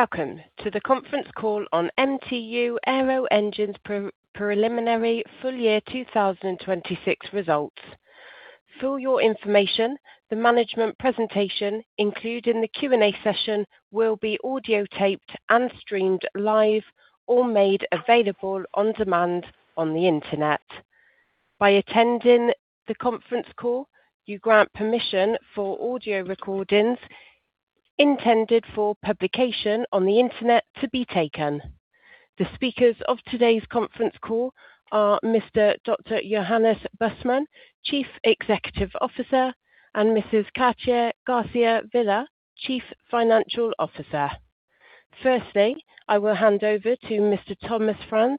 Welcome to the conference call on MTU Aero Engines preliminary full year 2026 results. For your information, the management presentation, including the Q&A session, will be audiotaped and streamed live or made available on demand on the Internet. By attending the conference call, you grant permission for audio recordings intended for publication on the Internet to be taken. The speakers of today's conference call are Mr. Dr. Johannes Bussmann, Chief Executive Officer and Mrs. Katja Garcia Vila, Chief Financial Officer. I will hand over to Mr. Thomas Franz,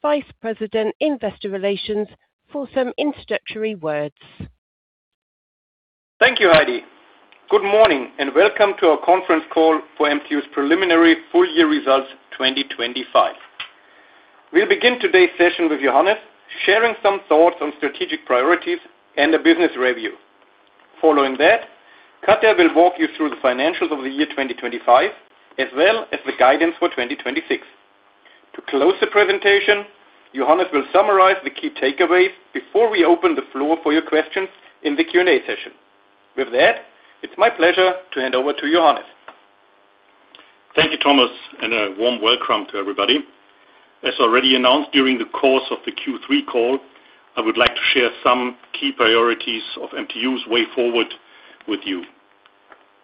Vice President, Investor Relations, for some introductory words. Thank you, Heidi. Good morning, and welcome to our conference call for MTU's preliminary full-year results 2025. We'll begin today's session with Johannes, who will share some thoughts on strategic priorities and a business review. Following that, Katja will walk you through the financials for 2025, as well as the guidance for 2026. To close the presentation, Johannes will summarize the key takeaways before we open the floor for your questions in the Q&A session. With that, it's my pleasure to hand over to Johannes. Thank you, Thomas, and a warm welcome to everybody. As already announced during the course of the Q3 call, I would like to share some key priorities of MTU's way forward with you.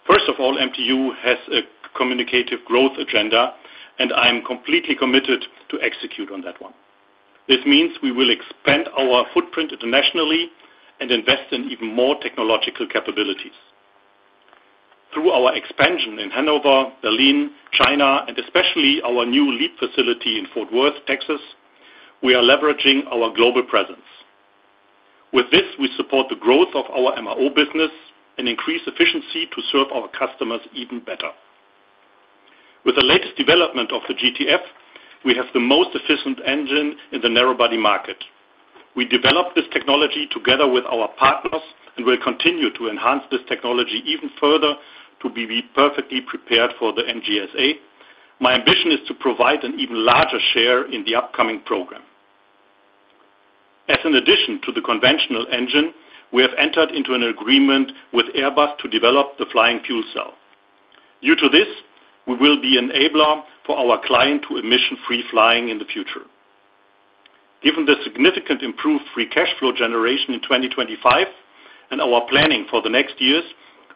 First of all, MTU has a ambitious growth agenda, and I am completely committed to executing it. This means we will expand our footprint internationally and invest in even more technological capabilities. Through our expansion in Hanover, Berlin, China, and especially our new lead facility in Fort Worth, Texas, we are leveraging our global presence. With this, we support the growth of our MRO business and increase efficiency to serve our customers even better. With the latest development of the GTF, we have the most efficient engine in the narrow-body market. We developed this technology together with our partners and will continue to enhance this technology even further to be perfectly prepared for the NGSA. My ambition is to provide an even larger share in the upcoming program. As an addition to the conventional engine, we have entered into an agreement with Airbus to develop the Flying Fuel Cell. Due to this, we will be an enabler for our clients to achieve emission-free flying in the future. Given the significantly improved free cash flow generation in 2025 and our planning for the next years,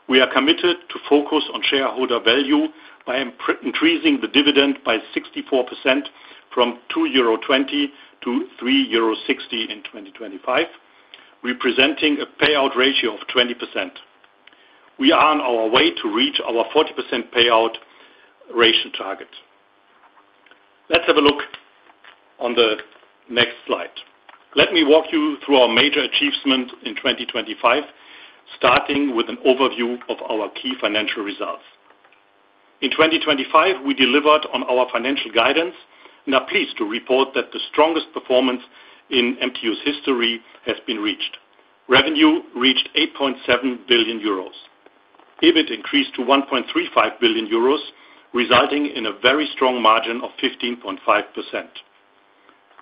we are committed to focus on shareholder value by increasing the dividend by 64% from 2.20 euro to 3.60 euro in 2025, representing a payout ratio of 20%. We are on our way to reach our 40% payout ratio target. Let's have a look at the next slide. Let me walk you through our major achievement in 2025, starting with an overview of our key financial results. In 2025, we delivered on our financial guidance and are pleased to report that MTU achieved its strongest performance in history. Revenue reached 8.7 billion euros, and EBIT increased to 1.35 billion euros, resulting in a margin of 15.5%.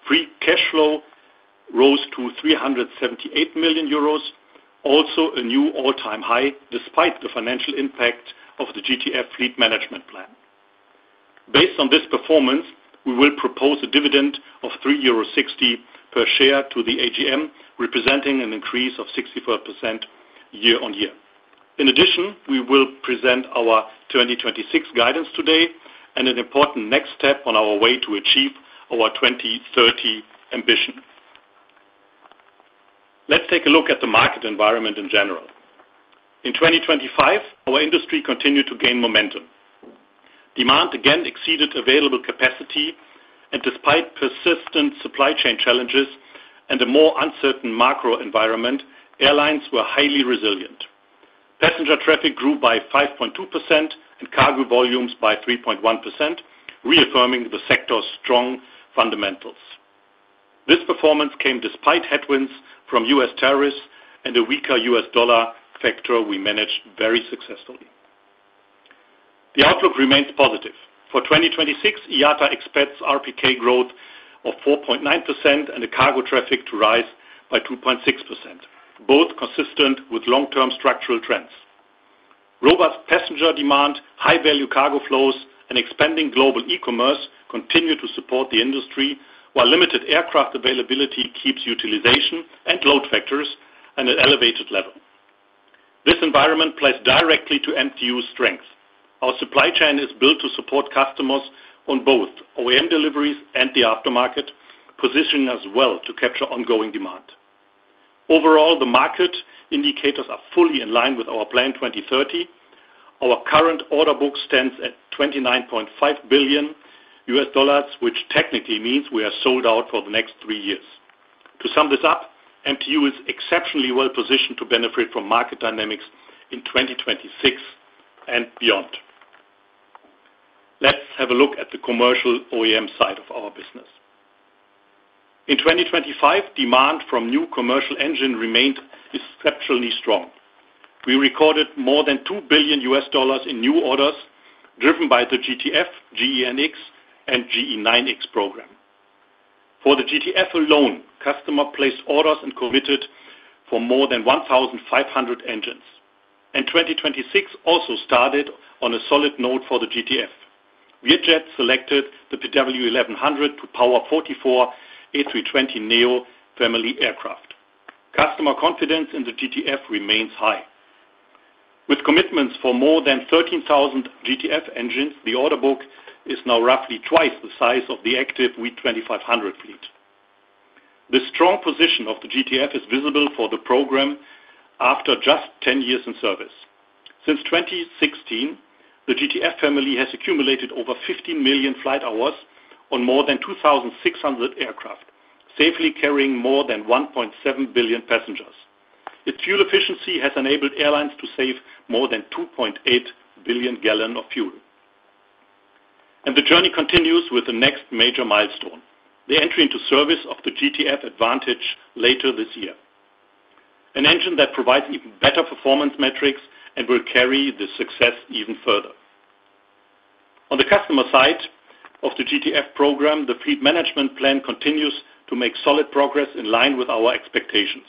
Free cash flow rose to 378 million euros, also a new all-time high, despite the financial impact of the GTF fleet management plan. Based on this performance, we will propose a dividend of 3.60 euro per share at the AGM, representing a 64% year-over-year increase. In addition, we will present our 2026 guidance today and outline an important next step toward achieving our 2030 ambition. Let's take a look at the market environment. In 2025, our industry continued to gain momentum.. Demand again exceeded available capacity, and despite persistent supply chain challenges and a more uncertain macro environment, airlines remained highly resilient. Passenger traffic grew by 5.2% and cargo volumes by 3.1%, reaffirming the sector's strong fundamentals. This performance came despite headwinds from U.S. tariffs and a weaker U.S. dollar, which we managed successfully. The outlook remains positive. For 2026, IATA expects RPK growth of 4.9% and cargo traffic to rise by 2.6%, both consistent with long-term structural trends. Robust passenger demand, high-value cargo flows, and expanding global e-commerce continue to support the industry, while limited aircraft availability keeps utilization and load factors elevated. This environment plays directly to MTU's strengths. Our supply chain is built to support customers on both OEM deliveries and the aftermarket, positioning us well to capture ongoing demand. Overall, market indicators are fully in line with our Plan 2030. Our current order book stands at $29.5 billion, effectively selling out capacity for the next three years. In summary, MTU is exceptionally well positioned to benefit from market dynamics in 2026 and beyond. Let's look at the commercial OEM side of our business. In 2025, demand for new commercial engines remained exceptionally strong. We recorded more than $2 billion in new orders, driven by the GTF, GEnx, and GE9X programs. For the GTF alone, customers placed orders and commitments for more than 1,500 engines. 2026 also started on a solid note for the GTF, with Vietjet selecting the PW1100 to power 44 A320neo family aircraft. Customer confidence in the GTF remains high. With commitments for more than 13,000 GTF engines, the order book is now roughly twice the size of the active V2500 fleet. The strong position of the GTF is evident after just 10 years in service. Since 2016, the GTF family has accumulated over 15 million flight hours on more than 2,600 aircraft, safely carrying more than 1.7 billion passengers. Its fuel efficiency has enabled airlines to save more than 2.8 billion gallons of fuel. The journey continues with the next major milestone: the entry into service of the GTF Advantage later this year, an engine that provides even better performance metrics and will further extend its success. On the customer side of the GTF program, the fleet management plan continues to make solid progress in line with our expectations.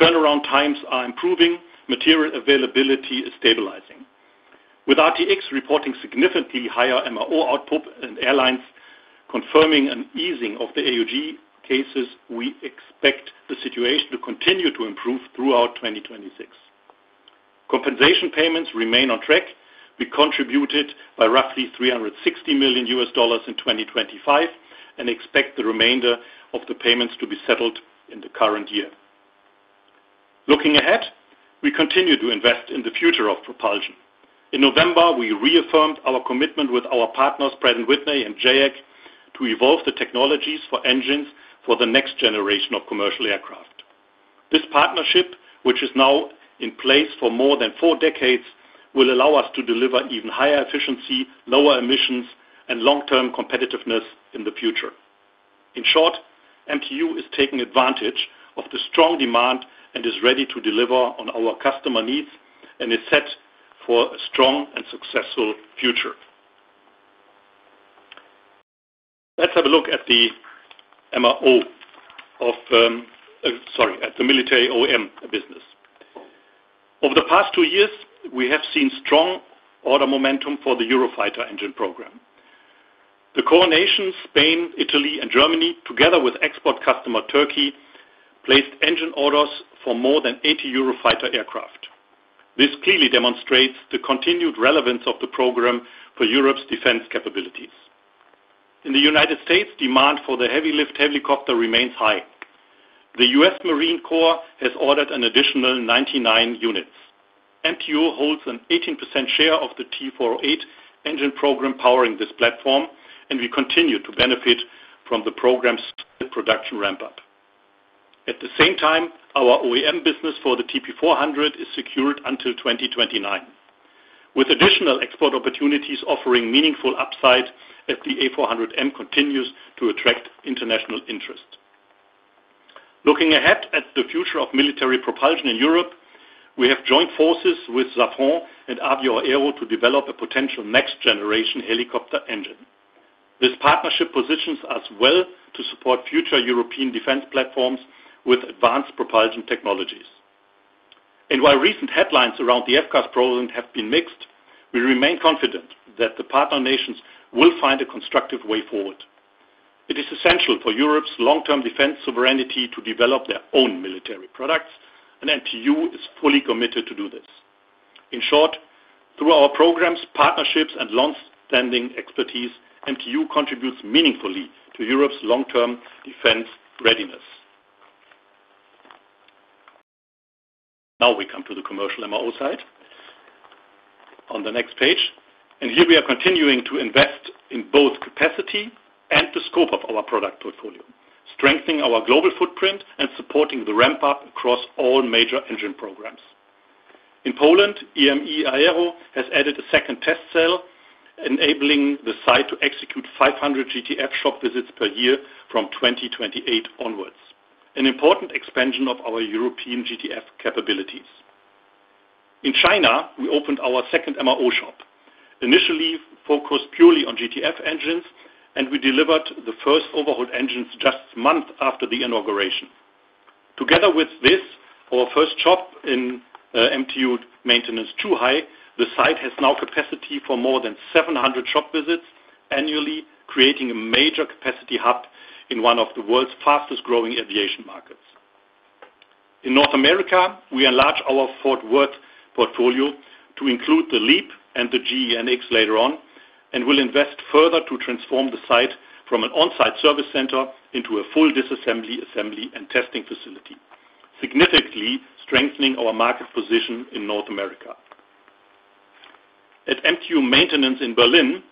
Turnaround times are improving, and material availability is stabilizing. With RTX reporting significantly higher MRO output and airlines confirming an easing of AOG cases, we expect the situation to continue improving throughout 2026. Compensation payments remain on track. We contributed roughly $360 million in 2025 and expect the remainder of the payments to be settled this year. Looking ahead, we continue to invest in the future of propulsion. In November, we reaffirmed our commitment with our partners, Pratt & Whitney and JAEC, to advance technologies for engines for the next generation of commercial aircraft. This partnership, now in place for more than four decades, will allow us to deliver higher efficiency, lower emissions, and long-term competitiveness. In short, MTU is taking advantage of strong demand and is ready to meet our customers’ needs, setting the company up for a strong and successful future. Let's look at the military OEM business. Over the past two years, we have seen strong order momentum for the Eurofighter engine program. The core nations—Spain, Italy, and Germany—together with export customer Turkey, placed engine orders for more than 80 Eurofighter aircraft. This demonstrates the continued relevance of the program for Europe's defense capabilities. In the United States, demand for the heavy-lift helicopter remains high, with the US Marine Corps ordering an additional 99 units. MTU holds an 18% share of the T408 engine program powering this platform, and we continue to benefit from the program's production ramp-up. At the same time, our OEM business for the TP400 is secured until 2029, with additional export opportunities providing meaningful upside as the A400M continues to attract international interest. Looking ahead to the future of military propulsion in Europe, we have joined forces with Safran and Avio Aero to develop a potential next-generation helicopter engine. This partnership positions us to support future European defense platforms with advanced propulsion technologies. While recent headlines regarding the FCAS program have been mixed, we remain confident that the partner nations will find a constructive way forward. Developing Europe’s own military products is essential for long-term defense sovereignty, and MTU is fully committed to this. In short, through our programs, partnerships, and longstanding expertise, MTU contributes meaningfully to Europe’s defense readiness. We come to the commercial MRO side on the next page, here we are continuing to invest in both capacity and the scope of our product portfolio, strengthening our global footprint and supporting the ramp-up across all major engine programs. In Poland, EME Aero has added a second test cell, enabling the site to execute 500 GTF shop visits per year from 2028 onwards, an important expansion of our European GTF capabilities. In China, we opened our second MRO shop, initially focused purely on GTF engines, we delivered the first overhaul engines just months after the inauguration. Together with this, our first shop in MTU Maintenance Zhuhai, the site has now capacity for more than 700 shop visits annually, creating a major capacity hub in one of the world's fastest-growing aviation markets. In North America, we are expanding our Fort Worth portfolio to include the LEAP and GEnx engines and will further invest to transform the site from an on-site service center into a full disassembly, assembly, and testing facility, significantly strengthening our market position in North America. At MTU Maintenance in Berlin,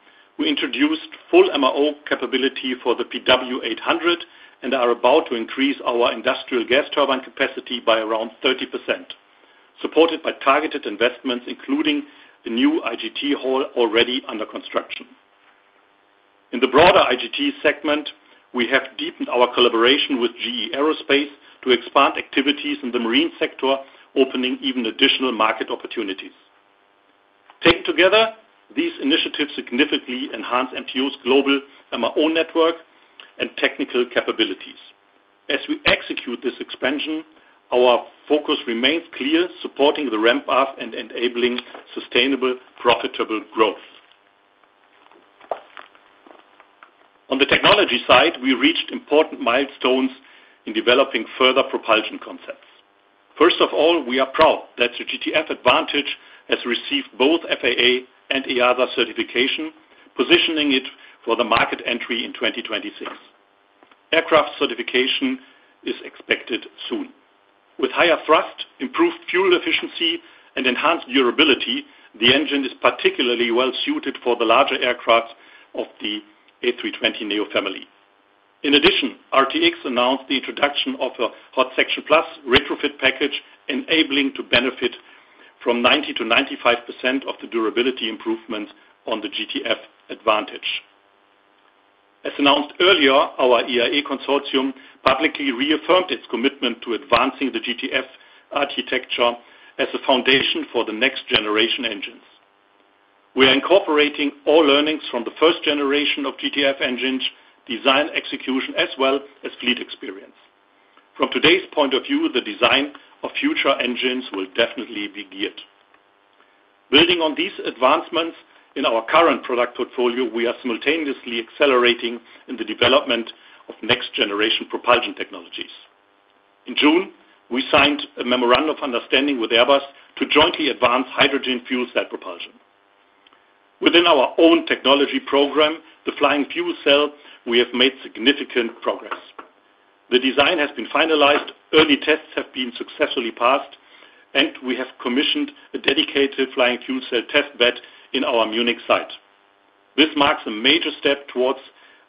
we introduced full MRO capability for the PW800 and are about to increase our industrial gas turbine capacity by around 30%, supported by targeted investments, including the new IGT hall already under construction. In the broader IGT segment, we have deepened our collaboration with GE Aerospace to expand activities in the marine sector, opening additional market opportunities. Taken together, these initiatives significantly enhance MTU's global network and technical capabilities. As we execute this expansion, our focus remains clear: supporting the ramp-up and enabling sustainable, profitable growth. On the technology side, we reached important milestones in developing further propulsion concepts. We are proud that the GTF Advantage has received both FAA and EASA certification, positioning it for market entry in 2026. Aircraft certification is expected soon. With higher thrust, improved fuel efficiency, and enhanced durability, the engine is particularly well-suited for the larger aircraft of the A320neo family. In addition, RTX announced the introduction of a Hot Section Plus retrofit package, enabling airlines to benefit from 90%-95% of the durability improvements on the GTF Advantage. As announced earlier, our IAE consortium publicly reaffirmed its commitment to advancing the GTF architecture as a foundation for next-generation engines. We are incorporating all learnings from the first generation of GTF engines, including design, execution, and fleet experience. From today’s perspective, the design of future engines will definitely be geared for next-generation requirements. Building on these advancements in our current product portfolio, we are simultaneously accelerating the development of next-generation propulsion technologies. In June, we signed a memorandum of understanding with Airbus to jointly advance hydrogen fuel cell propulsion. Within our own technology program, the Flying Fuel Cell, we have made significant progress. The design has been finalized, early tests have been successfully passed, and we have commissioned a dedicated Flying Fuel Cell test bed at our Munich site. This marks a major step towards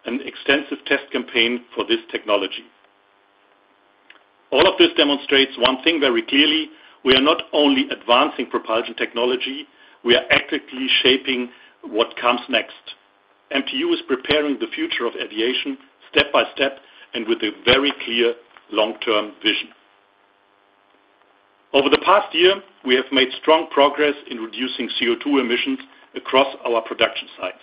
an extensive test campaign for this technology. All of this demonstrates clearly that we are not only advancing propulsion technology but actively shaping the future. MTU is preparing the future of aviation step by step with a clear long-term vision. Over the past year, we have made strong progress in reducing CO₂ emissions across our production sites.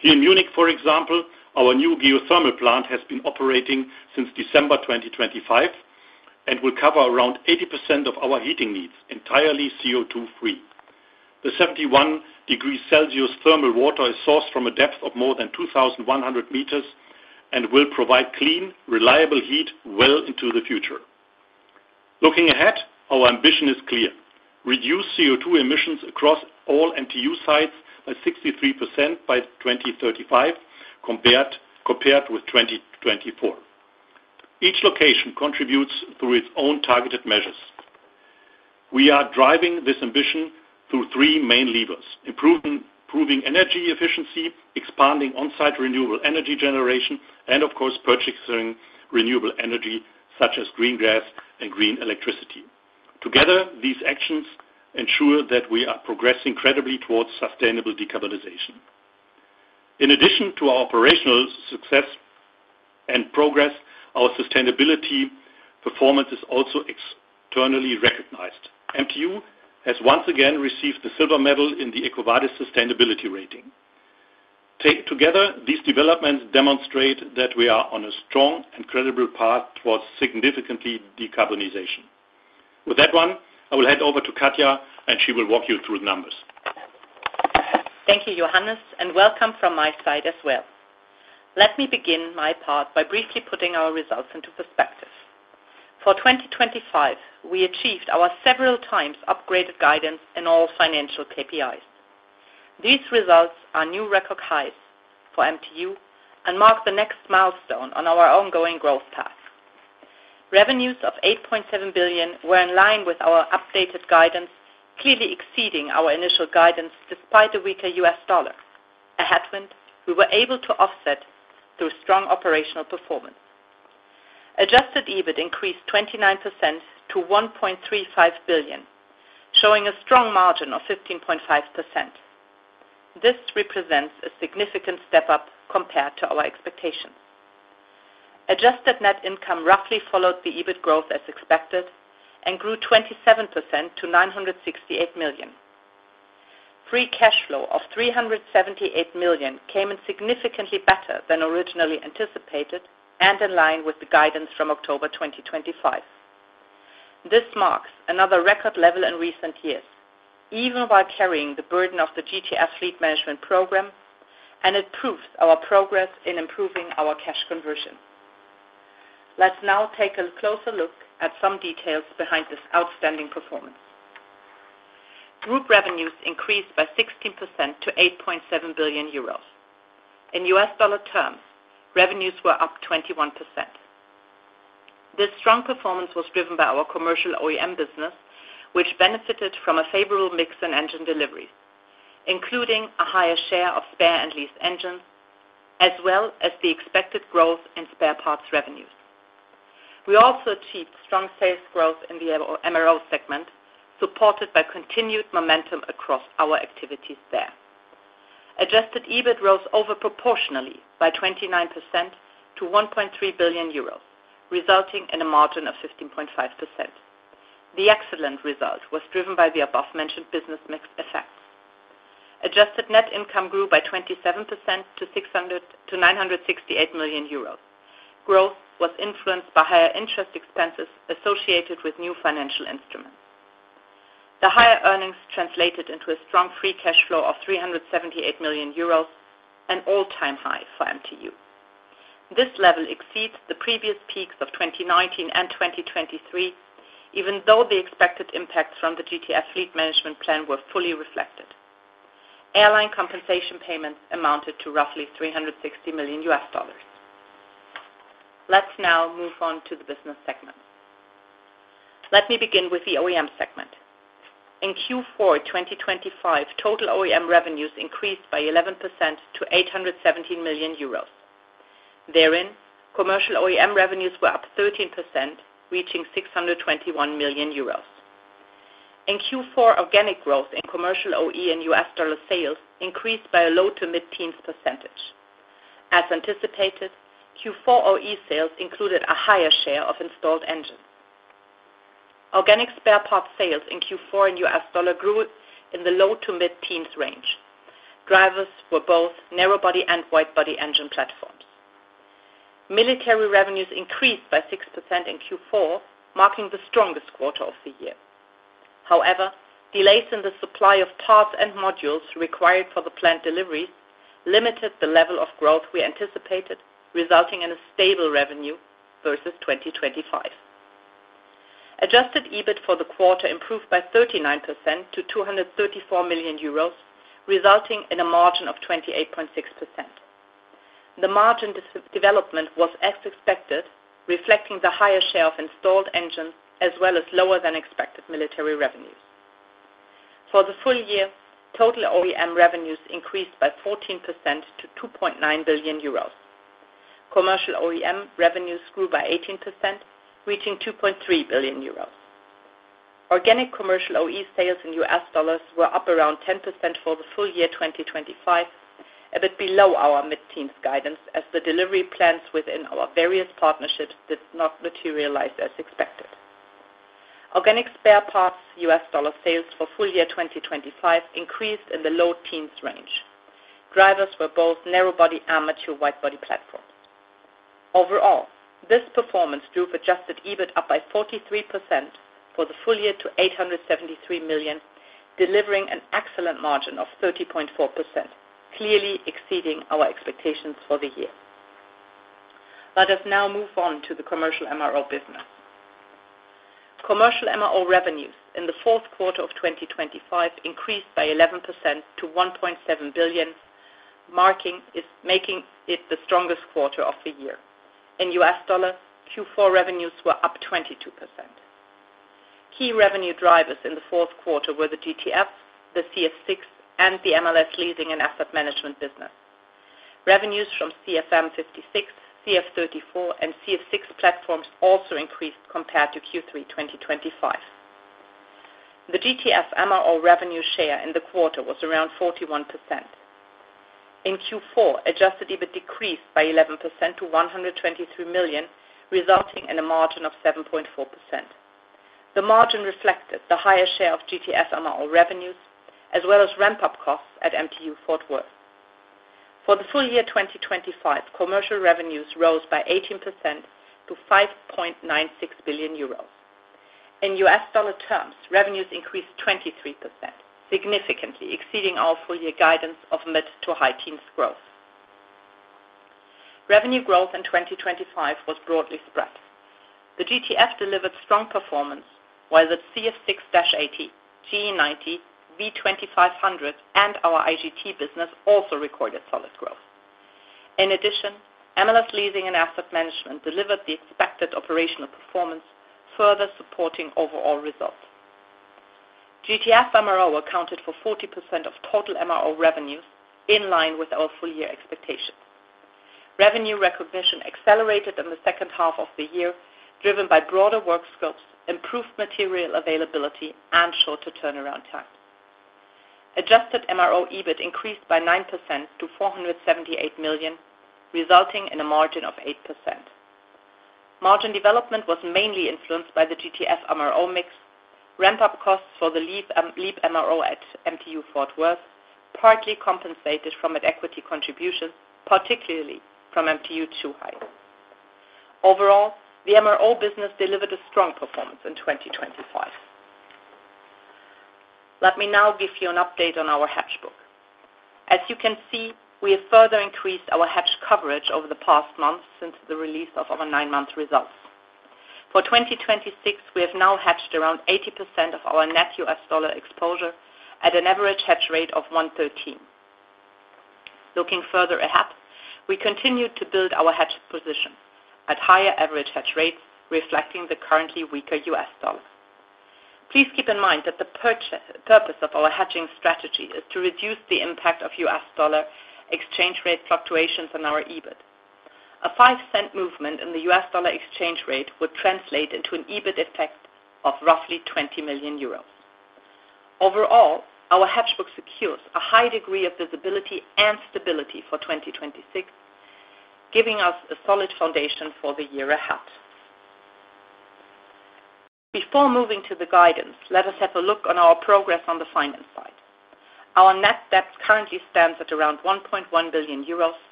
Here in Munich, for example, our new geothermal plant has been operating since December 2025 and will cover around 80% of our heating needs entirely CO₂-free. The 71-degree Celsius thermal water is sourced from a depth of more than 2,100 meters and will provide clean, reliable heat well into the future. Looking ahead, our ambition is clear: reduce CO₂ emissions across all MTU sites by 63% by 2035 compared with 2024. Each location contributes through targeted measures. We are driving this ambition through three main levers: improving energy efficiency, expanding on-site renewable energy generation, and purchasing renewable energy such as green gas and green electricity. Together, these actions ensure credible progress toward sustainable decarbonization. In addition to operational success, our sustainability performance is also externally recognized. MTU has once again received the silver medal in the Equilar Sustainability Rating. Taken together, these developments demonstrate that we are on a strong and credible path toward significant decarbonization. With that, I will hand over to Katja, who will walk you through the numbers Thank you, Johannes. Welcome from my side as well. Let me begin by briefly putting our results into perspective. For 2025, we achieved our several-times upgraded guidance in all financial KPIs. These results are record highs for MTU and mark the next milestone on our ongoing growth path. Revenues of 8.7 billion were in line with our updated guidance, clearly exceeding our initial guidance despite a weaker US dollar—a headwind we were able to offset through strong operational performance. Adjusted EBIT increased 29% to 1.35 billion, showing a strong margin of 15.5%, representing a significant step up compared with our expectations. Adjusted net income roughly followed EBIT growth and increased 27% to 968 million. Free cash flow of 378 million came in significantly better than originally anticipated and in line with the guidance from October 2025. This marks another record level in recent years, even while carrying the burden of the GTF fleet management program, and it proves our progress in improving our cash conversion. Let's now take a closer look at some details behind this outstanding performance. Group revenues increased by 16% to 8.7 billion euros. In U.S. dollar terms, revenues were up 21%. This strong performance was driven by our commercial OEM business, which benefited from a favorable mix in engine deliveries, including a higher share of spare and lease engines as well as the expected growth in spare parts revenues. We also achieved strong sales growth in the MRO segment, supported by continued momentum across our activities there. Adjusted EBIT rose over proportionally by 29% to 1.3 billion euros, resulting in a margin of 15.5%. The excellent result was driven by the above-mentioned business mix effects. Adjusted net income grew by 27% to 968 million euros. Growth was influenced by higher interest expenses associated with new financial instruments. The higher earnings translated into a strong free cash flow of 378 million euros, an all-time high for MTU. This level exceeds the previous peaks of 2019 and 2023, even though the expected impacts from the GTF Fleet Management Plan were fully reflected. Airline compensation payments amounted to roughly $360 million. Let's now move on to the business segment. Let me begin with the OEM segment. In Q4 2025, total OEM revenues increased by 11% to 817 million euros. Therein, commercial OEM revenues were up 13%, reaching 621 million euros. In Q4, organic growth in commercial OE in $ sales increased by a low to mid-teens %. As anticipated, Q4 OE sales included a higher share of installed engines. Organic spare parts sales in Q4 in $ grew in the low to mid-teens range. Drivers were both narrow body and wide body engine platforms. Military revenues increased by 6% in Q4, marking the strongest quarter of the year. Delays in the supply of parts and modules required for the planned deliveries limited the level of growth we anticipated, resulting in a stable revenue versus 2025. Adjusted EBIT for the quarter improved by 39% to 234 million euros, resulting in a margin of 28.6%. The margin development was as expected, reflecting the higher share of installed engines, as well as lower than expected military revenues. For the full year, total OEM revenues increased by 14% to 2.9 billion euros. Commercial OEM revenues grew by 18%, reaching 2.3 billion euros. Organic commercial OE sales in U.S. dollars were up around 10% for the full year, 2025, a bit below our mid-teens guidance, as the delivery plans within our various partnerships did not materialize as expected. Organic spare parts U.S. dollar sales for full year 2025 increased in the low teens range. Drivers were both narrow body and mature wide body platforms. Overall, this performance drove adjusted EBIT up by 43% for the full year to 873 million, delivering an excellent margin of 30.4%, clearly exceeding our expectations for the year. Let us now move on to the commercial MRO business. Commercial MRO revenues in the fourth quarter of 2025 increased by 11% to 1.7 billion, making it the strongest quarter of the year. In US dollar, Q4 revenues were up 22%. Key revenue drivers in the fourth quarter were the GTF, the CF6, and the MLS Leasing and Asset Management business. Revenues from CFM56, CF34, and CF6 platforms also increased compared to Q3 2025. The GTF MRO revenue share in the quarter was around 41%. In Q4, adjusted EBIT decreased by 11% to 123 million, resulting in a margin of 7.4%. The margin reflected the higher share of GTF MRO revenues, as well as ramp-up costs at MTU Fort Worth. For the full year 2025, commercial revenues rose by 18% to 5.96 billion euros. In U.S. dollar terms, revenues increased 23%, significantly exceeding our full year guidance of mid to high teens growth. Revenue growth in 2025 was broadly spread. The GTF delivered strong performance, while the CF6-80, GE90, V2500, and our IGT business also recorded solid growth. In addition, MLS Leasing and Asset Management delivered the expected operational performance, further supporting overall results. GTF MRO accounted for 40% of total MRO revenues, in line with our full year expectations. Revenue recognition accelerated in the second half of the year, driven by broader work scopes, improved material availability, and shorter turnaround times. Adjusted MRO EBIT increased by 9% to 478 million, resulting in a margin of 8%. Margin development was mainly influenced by the GTF MRO mix, ramp-up costs for the leave, LEAP MRO at MTU Fort Worth, partly compensated from an equity contribution, particularly from MTU Maintenance Zhuhai. Overall, the MRO business delivered a strong performance in 2025. Let me now give you an update on our hedge book. As you can see, we have further increased our hedge coverage over the past months since the release of our nine-month results. For 2026, we have now hedged around 80% of our net U.S. dollar exposure at an average hedge rate of 1.13. Looking further ahead, we continue to build our hedge position at higher average hedge rates, reflecting the currently weaker US dollar. Please keep mind that the purpose of our hedging strategy is to reduce the impact of US dollar exchange rate fluctuations on our EBIT. A five cent movement in the US dollar exchange rate would translate into an EBIT effect of roughly 20 million euros. Overall, our hedge book secures a high degree of visibility and stability for 2026, giving us a solid foundation for the year ahead. Before moving to the guidance, let us have a look on our progress on the finance side. Our net debt currently stands at around 1.1 billion euros,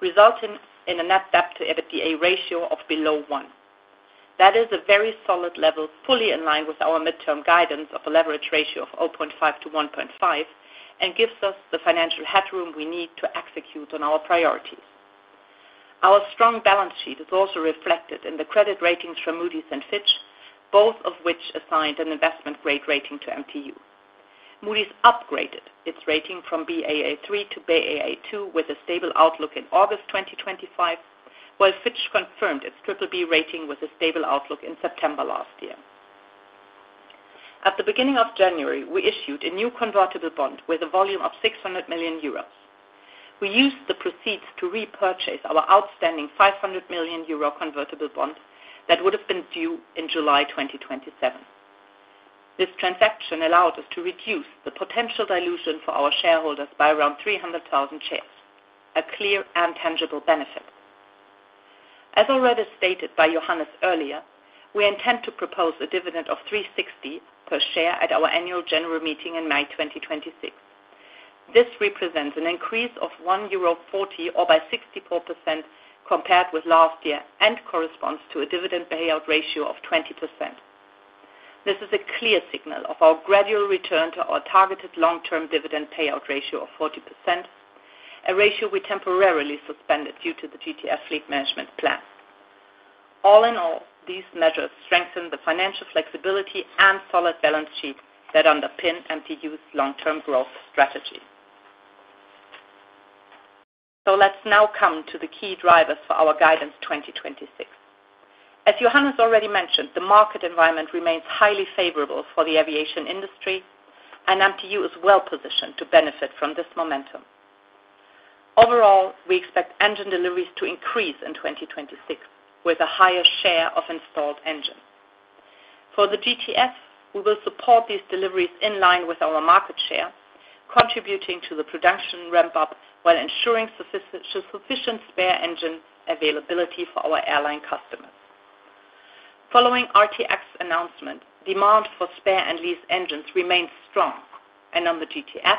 resulting in a net debt to EBITDA ratio of below 1. That is a very solid level, fully in line with our midterm guidance of a leverage ratio of 0.5-1.5, and gives us the financial headroom we need to execute on our priorities. Our strong balance sheet is also reflected in the credit ratings from Moody's and Fitch, both of which assigned an investment-grade rating to MTU. Moody's upgraded its rating from BAA3 to BAA2 with a stable outlook in August 2025, while Fitch confirmed its triple B rating with a stable outlook in September last year. At the beginning of January, we issued a new convertible bond with a volume of 600 million euros. We used the proceeds to repurchase our outstanding 500 million euro convertible bond that would have been due in July 2027. This transaction allowed us to reduce the potential dilution for our shareholders by around 300,000 shares, a clear and tangible benefit. As already stated by Johannes earlier, we intend to propose a dividend of 3.60 per share at our annual general meeting in May 2026. This represents an increase of 1.40 euro, or by 64% compared with last year, and corresponds to a dividend payout ratio of 20%. This is a clear signal of our gradual return to our targeted long-term dividend payout ratio of 40%, a ratio we temporarily suspended due to the GTF Fleet Management plan. All in all, these measures strengthen the financial flexibility and solid balance sheet that underpin MTU's long-term growth strategy. Let's now come to the key drivers for our guidance 2026. As Johannes already mentioned, the market environment remains highly favorable for the aviation industry, MTU is well positioned to benefit from this momentum. Overall, we expect engine deliveries to increase in 2026, with a higher share of installed engines. For the GTF, we will support these deliveries in line with our market share, contributing to the production ramp-up while ensuring sufficient spare engine availability for our airline customers. Following RTX announcement, demand for spare and lease engines remains strong, and on the GTF,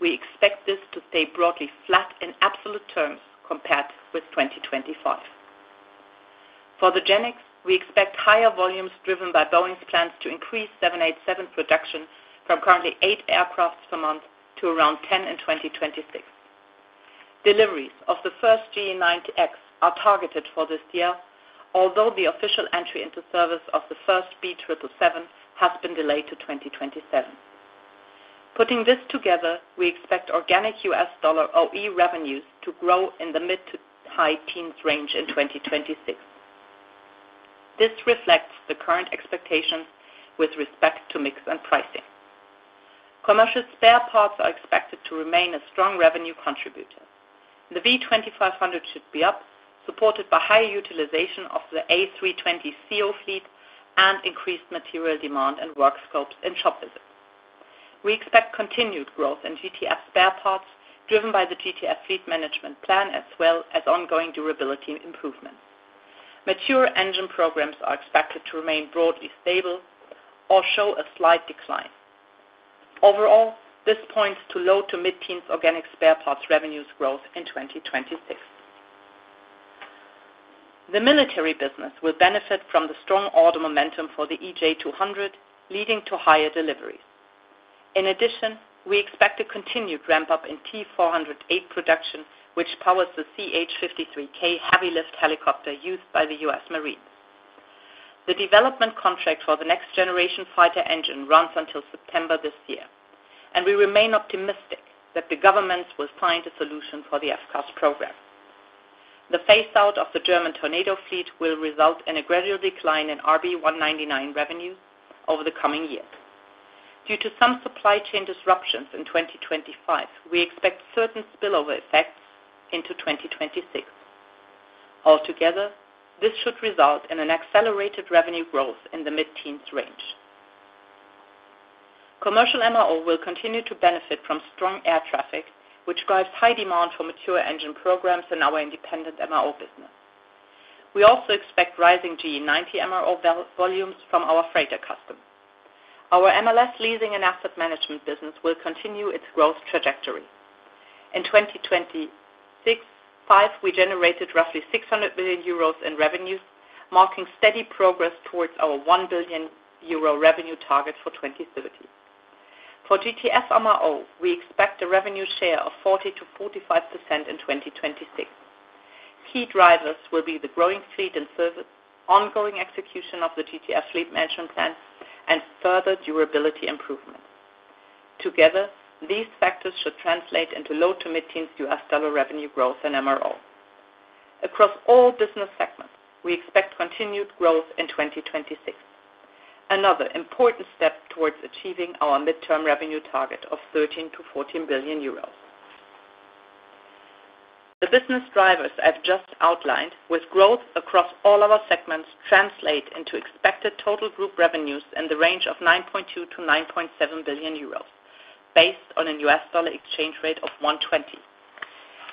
we expect this to stay broadly flat in absolute terms compared with 2025. For the GEnx, we expect higher volumes driven by Boeing's plans to increase 787 production from currently 8 aircraft per month to around 10 in 2026. Deliveries of the first GE9X are targeted for this year, although the official entry into service of the first B777 has been delayed to 2027. Putting this together, we expect organic US dollar OE revenues to grow in the mid to high teens range in 2026. This reflects the current expectations with respect to mix and pricing. Commercial spare parts are expected to remain a strong revenue contributor. The V2500 should be up, supported by higher utilization of the A320ceo fleet and increased material demand and work scopes in shop visits. We expect continued growth in GTF spare parts, driven by the GTF Fleet Management plan, as well as ongoing durability improvements. Mature engine programs are expected to remain broadly stable or show a slight decline. Overall, this points to low to mid-teens organic spare parts revenues growth in 2026. The military business will benefit from the strong order momentum for the EJ200, leading to higher deliveries. In addition, we expect a continued ramp-up in T408 production, which powers the CH-53K heavy lift helicopter used by the US Marines. The development contract for the next generation fighter engine runs until September this year, we remain optimistic that the governments will find a solution for the FCAS program. The phase out of the German Tornado fleet will result in a gradual decline in RB199 revenue over the coming years. Due to some supply chain disruptions in 2025, we expect certain spillover effects into 2026. Altogether, this should result in an accelerated revenue growth in the mid-teens range. Commercial MRO will continue to benefit from strong air traffic, which drives high demand for mature engine programs in our independent MRO business. We also expect rising GE90 MRO volumes from our freighter customers. Our MLS leasing and asset management business will continue its growth trajectory. In 2026 5, we generated roughly 600 million euros in revenues, marking steady progress towards our 1 billion euro revenue target for 2030. For GTF MRO, we expect a revenue share of 40%-45% in 2026. Key drivers will be the growing fleet and service, ongoing execution of the GTF Fleet Management Plan, and further durability improvement.... Together, these factors should translate into low to mid-teen US dollar revenue growth in MRO. Across all business segments, we expect continued growth in 2026, another important step towards achieving our midterm revenue target of 13 billion-14 billion euros. The business drivers I've just outlined, with growth across all our segments, translate into expected total group revenues in the range of 9.2 billion-9.7 billion euros, based on a US dollar exchange rate of 1.20.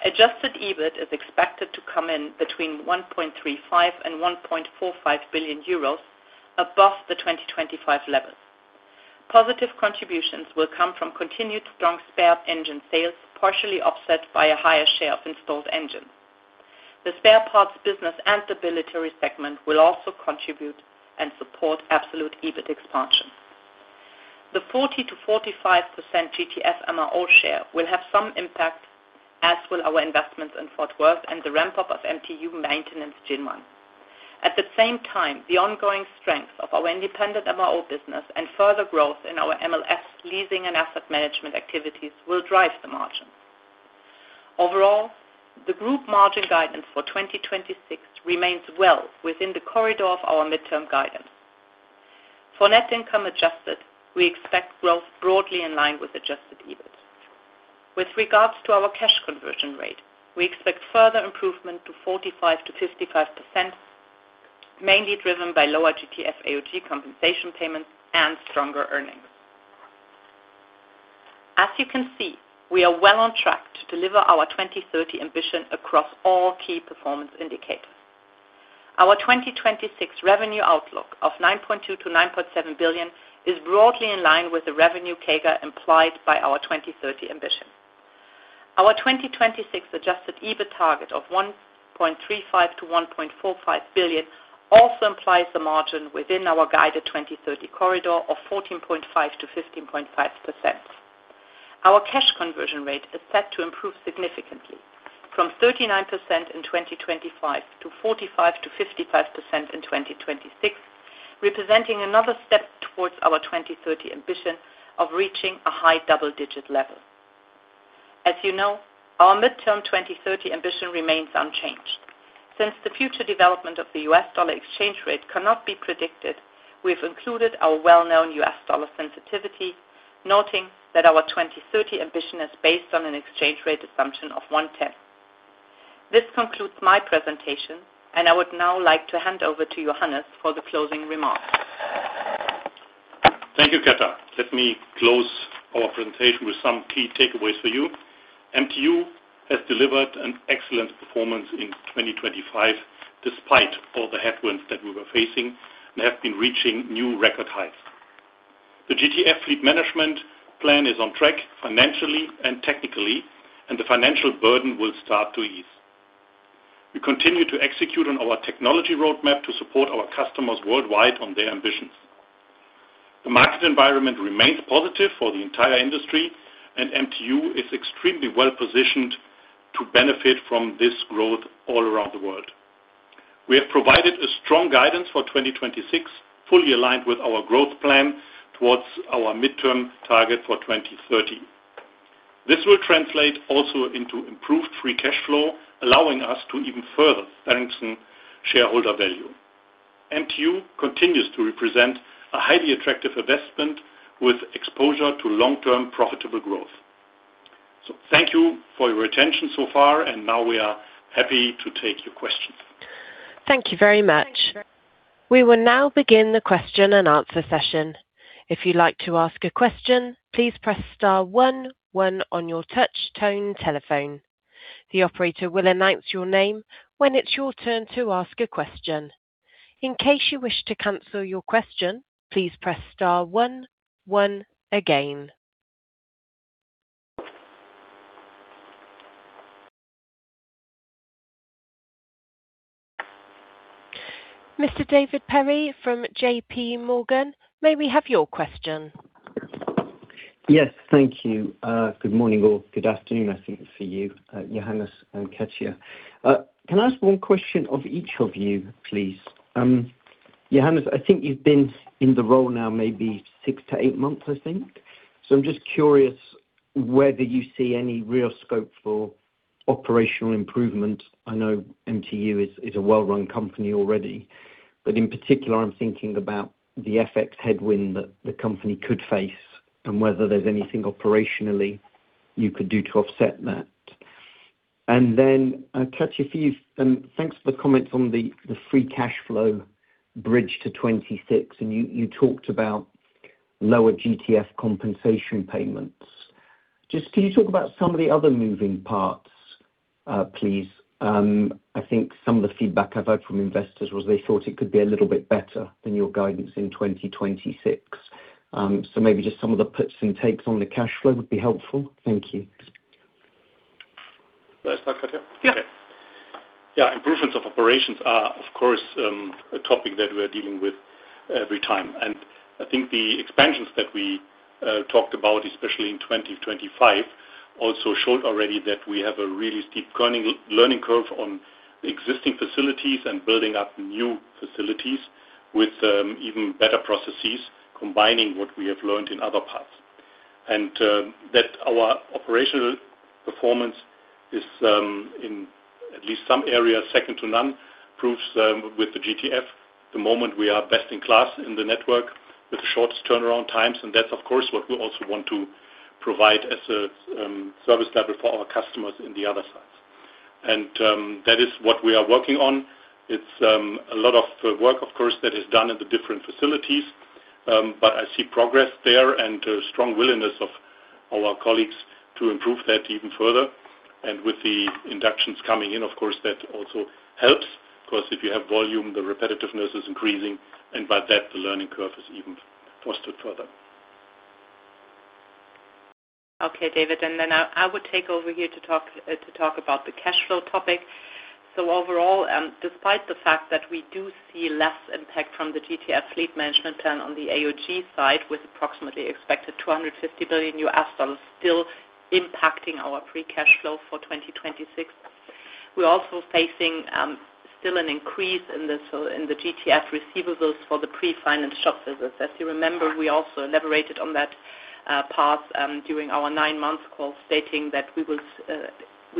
Adjusted EBIT is expected to come in between 1.35 billion and 1.45 billion euros above the 2025 levels. Positive contributions will come from continued strong spare engine sales, partially offset by a higher share of installed engines. The spare parts business and the military segment will also contribute and support absolute EBIT expansion. The 40%-45% GTF MRO share will have some impact, as will our investments in Fort Worth and the ramp-up of MTU maintenance GenOne. At the same time, the ongoing strength of our independent MRO business and further growth in our MLS Leasing and Asset Management activities will drive the margin. Overall, the group margin guidance for 2026 remains well within the corridor of our midterm guidance. For net income adjusted, we expect growth broadly in line with adjusted EBIT. With regards to our cash conversion rate, we expect further improvement to 45%-55%, mainly driven by lower GTF AOG compensation payments and stronger earnings. As you can see, we are well on track to deliver our 2030 ambition across all key performance indicators. Our 2026 revenue outlook of 9.2 billion-9.7 billion is broadly in line with the revenue CAGR implied by our 2030 ambition. Our 2026 adjusted EBIT target of 1.35 billion-1.45 billion also implies the margin within our guided 2030 corridor of 14.5%-15.5%. Our cash conversion rate is set to improve significantly, from 39% in 2025 to 45%-55% in 2026, representing another step towards our 2030 ambition of reaching a high double-digit level. As you know, our midterm 2030 ambition remains unchanged. Since the future development of the US dollar exchange rate cannot be predicted, we've included our well-known US dollar sensitivity, noting that our 2030 ambition is based on an exchange rate assumption of one-tenth. This concludes my presentation, and I would now like to hand over to Johannes for the closing remarks. Thank you, Katja. Let me close our presentation with some key takeaways for you. MTU has delivered an excellent performance in 2025, despite all the headwinds that we were facing, and have been reaching new record heights. The GTF fleet management plan is on track financially and technically. The financial burden will start to ease. We continue to execute on our technology roadmap to support our customers worldwide on their ambitions. The market environment remains positive for the entire industry. MTU is extremely well positioned to benefit from this growth all around the world. We have provided a strong guidance for 2026, fully aligned with our growth plan towards our midterm target for 2030. This will translate also into improved free cash flow, allowing us to even further strengthen shareholder value. MTU continues to represent a highly attractive investment with exposure to long-term profitable growth. Thank you for your attention so far, and now we are happy to take your questions. Thank you very much. We will now begin the question-and-answer session. If you'd like to ask a question, please press star one one on your touch tone telephone. The operator will announce your name when it's your turn to ask a question. In case you wish to cancel your question, please press star one one again. Mr. David Perry from JPMorgan, may we have your question? Yes, thank you. Good morning or good afternoon, I think, for you, Johannes and Katja. Can I ask one question of each of you, please? Johannes, I think you've been in the role now maybe 6-8 months, I think. I'm just curious whether you see any real scope for operational improvement. I know MTU is a well-run company already, but in particular, I'm thinking about the FX headwind that the company could face and whether there's anything operationally you could do to offset that. Then, Katja, thanks for the comments on the free cash flow bridge to 2026, and you talked about lower GTF compensation payments. Just can you talk about some of the other moving parts, please? I think some of the feedback I've heard from investors was they thought it could be a little bit better than your guidance in 2026. Maybe just some of the puts and takes on the cash flow would be helpful. Thank you. Can I start, Katja? Yeah. Yeah, improvements of operations are, of course, a topic that we're dealing with every time. I think the expansions that we talked about, especially in 2025, also showed already that we have a really steep learning curve on existing facilities and building up new facilities with even better processes, combining what we have learned in other paths. That our operational performance is in at least some areas, second to none, proves with the GTF. The moment we are best in class in the network with the shortest turnaround times, that's, of course, what we also want to provide as a service level for our customers in the other sides. That is what we are working on. It's, a lot of work, of course, that is done at the different facilities, but I see progress there and a strong willingness of our colleagues to improve that even further. With the inductions coming in, of course, that also helps. 'Cause if you have volume, the repetitiveness is increasing, and by that, the learning curve is even fostered further. Okay, David, I would take over here to talk about the cash flow topic. Overall, despite the fact that we do see less impact from the GTF fleet management turn on the AoG side, with approximately expected EUR 250 million new aspas still impacting our free cash flow for 2026. We're also facing still an increase in the GTF receivables for the pre-finance shop visits. As you remember, we also elaborated on that path during our nine-month call, stating that we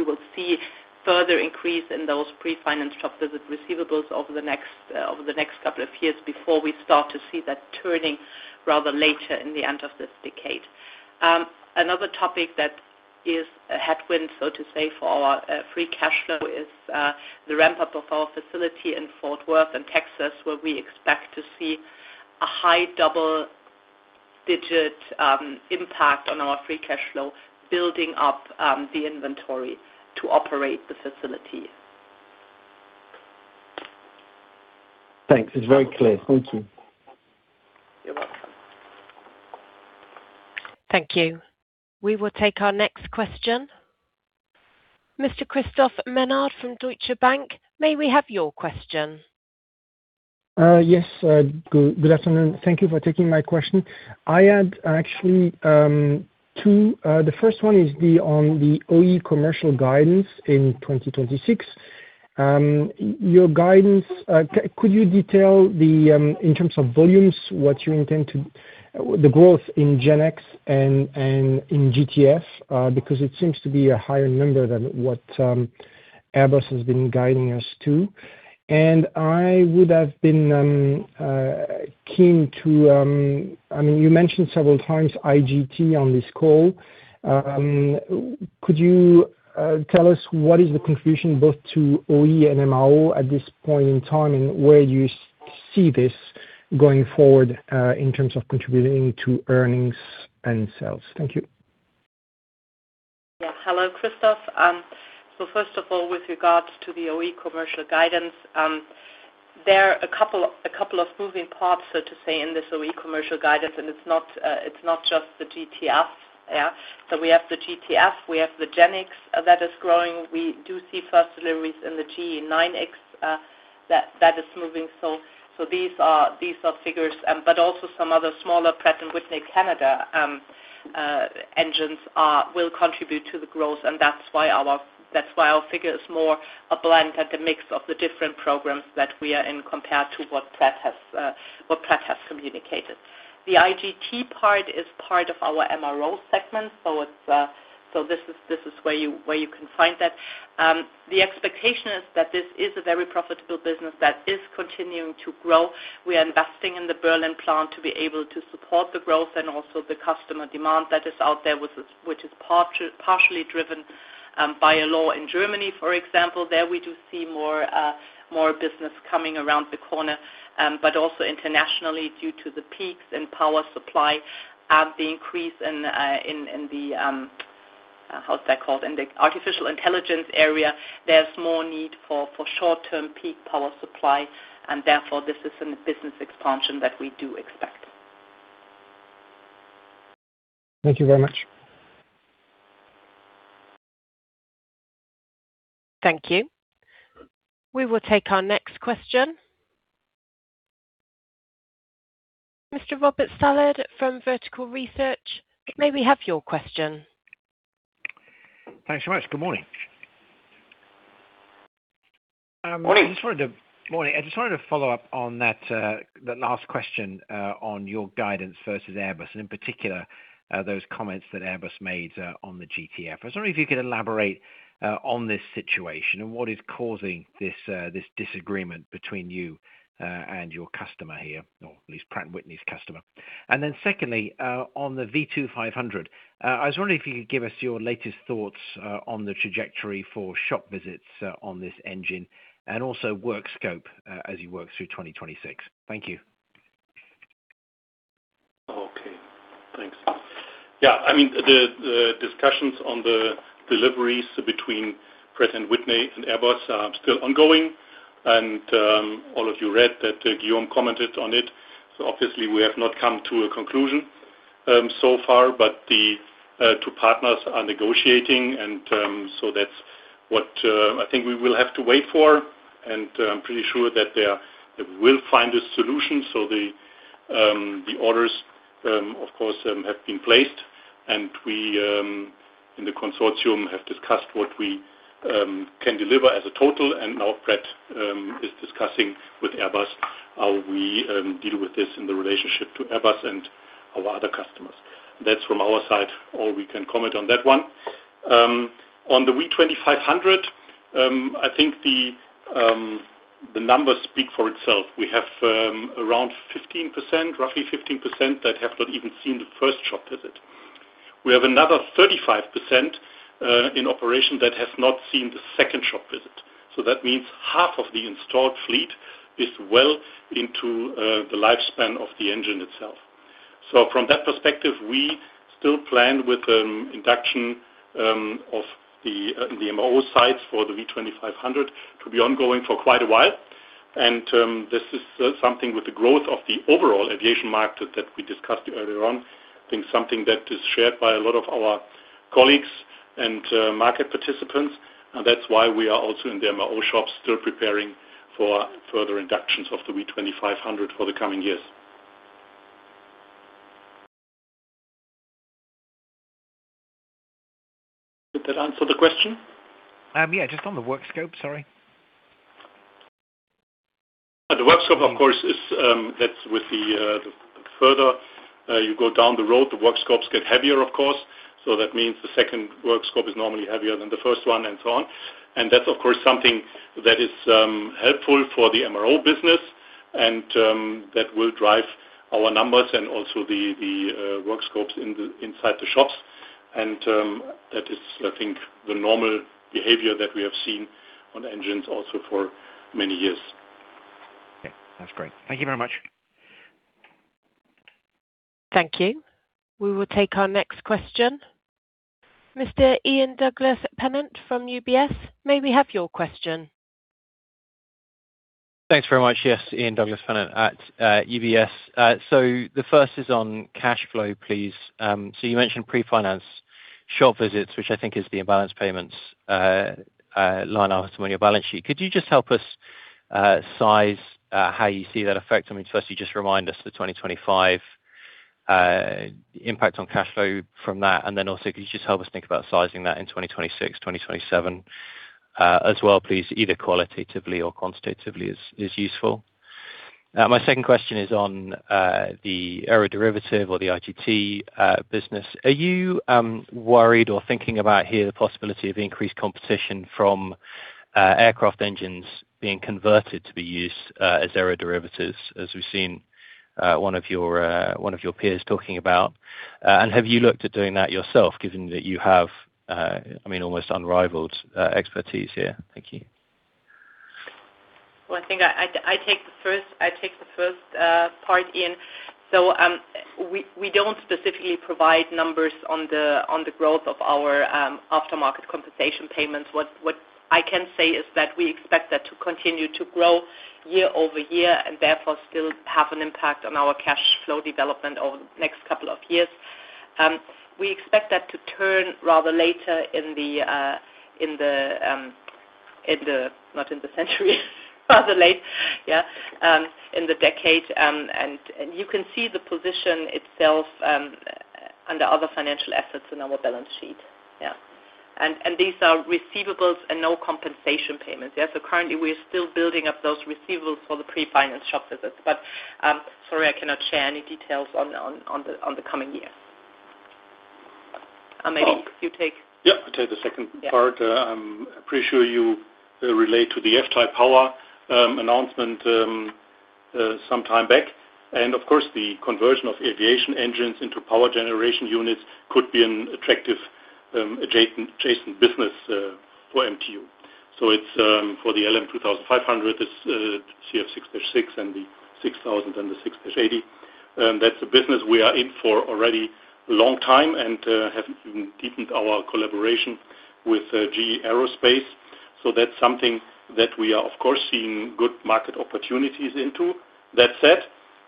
will see further increase in those pre-finance shop visit receivables over the next over the next couple of years before we start to see that turning rather later in the end of this decade. Another topic that is a headwind, so to say, for our free cash flow is the ramp-up of our facility in Fort Worth, in Texas, where we expect to see a high double-digit impact on our free cash flow, building up the inventory to operate the facility. Thanks. It's very clear. Thank you. You're welcome. Thank you. We will take our next question. Mr. Christophe Menard from Deutsche Bank, may we have your question? Yes, good afternoon. Thank you for taking my question. I had actually 2. The first one is the on the OE commercial guidance in 2026. Your guidance, could you detail the, in terms of volumes, what you intend to... The growth in GEnx and in GTF, because it seems to be a higher number than what Airbus has been guiding us to. I would have been keen to, I mean, you mentioned several times IGT on this call. Could you tell us what is the contribution both to OE and MRO at this point in time, and where you see this going forward, in terms of contributing to earnings and sales? Thank you. Hello, Christophe. First of all, with regards to the OE commercial guidance, there are a couple of moving parts, so to say, in this OE commercial guidance, it's not just the GTF. We have the GTF, we have the GEnx that is growing. We do see first deliveries in the GE9X that is moving. These are figures, also some other smaller Pratt & Whitney Canada engines will contribute to the growth, that's why our figure is more a blend at the mix of the different programs that we are in, compared to what Pratt has communicated. The IGT part is part of our MRO segment. It's where you can find that. The expectation is that this is a very profitable business that is continuing to grow. We are investing in the Berlin plant to be able to support the growth and also the customer demand that is out there, which is partially driven by a law in Germany, for example. There, we do see more business coming around the corner. Also internationally due to the peaks and power supply, the increase in the, how's that called, artificial intelligence area, there's more need for short-term peak power supply, and therefore, this is a business expansion that we do expect. Thank you very much. Thank you. We will take our next question. Mr. Robert Stallard from Vertical Research, may we have your question? Thanks so much. Good morning. Morning. Morning. I just wanted to follow up on that last question on your guidance versus Airbus, and in particular, those comments that Airbus made on the GTF. I was wondering if you could elaborate on this situation and what is causing this disagreement between you and your customer here, or at least Pratt & Whitney's customer. Secondly, on the V2500, I was wondering if you could give us your latest thoughts on the trajectory for shop visits on this engine, and also work scope, as you work through 2026. Thank you. Okay, thanks. Yeah, I mean, the discussions on the deliveries between Pratt & Whitney and Airbus are still ongoing, and all of you read that Guillaume Faury commented on it. Obviously we have not come to a conclusion so far, but the two partners are negotiating and what I think we will have to wait for, and I'm pretty sure that they will find a solution. The orders, of course, have been placed, and we, in the consortium have discussed what we can deliver as a total, and now Pratt is discussing with Airbus, how we deal with this in the relationship to Airbus and our other customers. That's from our side, all we can comment on that one. On the V2500, I think the numbers speak for itself. We have around 15%, roughly 15%, that have not even seen the first shop visit. We have another 35% in operation that has not seen the second shop visit. That means half of the installed fleet is well into the lifespan of the engine itself. From that perspective, we still plan with induction of the MRO sites for the V2500 to be ongoing for quite a while. This is something with the growth of the overall aviation market that we discussed earlier on, I think something that is shared by a lot of our colleagues and market participants. That's why we are also in the MRO shop, still preparing for further inductions of the V2500 for the coming years. Did that answer the question? Just on the work scope. Sorry. The work scope, of course, is, that's with the further, you go down the road, the work scopes get heavier, of course. That means the second work scope is normally heavier than the first one, and so on. That's, of course, something that is helpful for the MRO business, and that will drive our numbers and also the work scopes in the, inside the shops. That is, I think, the normal behavior that we have seen on engines also for many years. Okay, that's great. Thank you very much. Thank you. We will take our next question. Mr. Ian Douglas-Pennant from UBS, may we have your question? Thanks very much. Yes, Ian Douglas-Pennant at UBS. The first is on cash flow, please. You mentioned prefinance shop visits, which I think is the imbalance payments line item on your balance sheet. Could you just help us size how you see that affect? I mean, firstly, just remind us the 2025 impact on cash flow from that, could you just help us think about sizing that in 2026, 2027 as well, please, either qualitatively or quantitatively is useful. My second question is on the aeroderivative or the IGT business. Are you worried or thinking about here the possibility of increased competition from aircraft engines being converted to be used as aeroderivatives, as we've seen one of your one of your peers talking about? Have you looked at doing that yourself, given that you have, I mean, almost unrivaled expertise here? Thank you. Well, I think I take the first part, Ian. We don't specifically provide numbers on the growth of our aftermarket compensation payments. What I can say is that we expect that to continue to grow year-over-year, and therefore still have an impact on our cash flow development over the next couple of years. We expect that to turn rather later in the not in the century, rather late, yeah, in the decade, and you can see the position itself under other financial assets in our balance sheet. Yeah. These are receivables and no compensation payments. Yeah, currently, we're still building up those receivables for the prefinance shop visits, sorry, I cannot share any details on the coming year. Yeah, I'll take the second part. Yeah. I'm pretty sure you relate to the GTF power announcement sometime back. Of course, the conversion of aviation engines into power generation units could be an attractive adjacent business for MTU. It's for the LM2500, it's CF6-6 and the 6,000 and the CF6-80. That's a business we are in for already long time and have deepened our collaboration with GE Aerospace. That's something that we are, of course, seeing good market opportunities into. That said,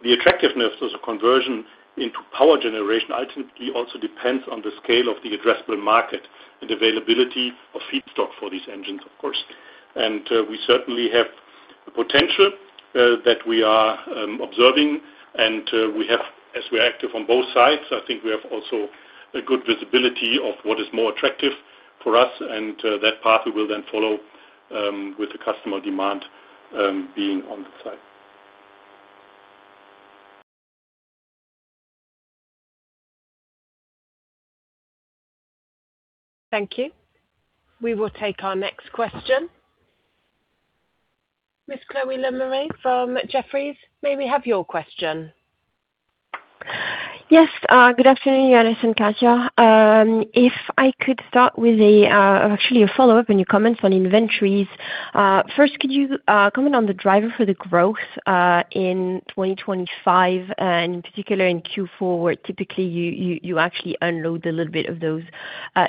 the attractiveness as a conversion into power generation ultimately also depends on the scale of the addressable market and availability of feedstock for these engines, of course. We certainly have the potential that we are observing, and we have, as we are active on both sides, I think we have also a good visibility of what is more attractive for us, and that path we will then follow with the customer demand being on the side. Thank you. We will take our next question. Ms. Chloé Lemarié from Jefferies, may we have your question? Yes, good afternoon, Alice and Katja. If I could start with a actually a follow-up on your comments on inventories. First, could you comment on the driver for the growth in 2025, and in particular in Q4, where typically you actually unload a little bit of those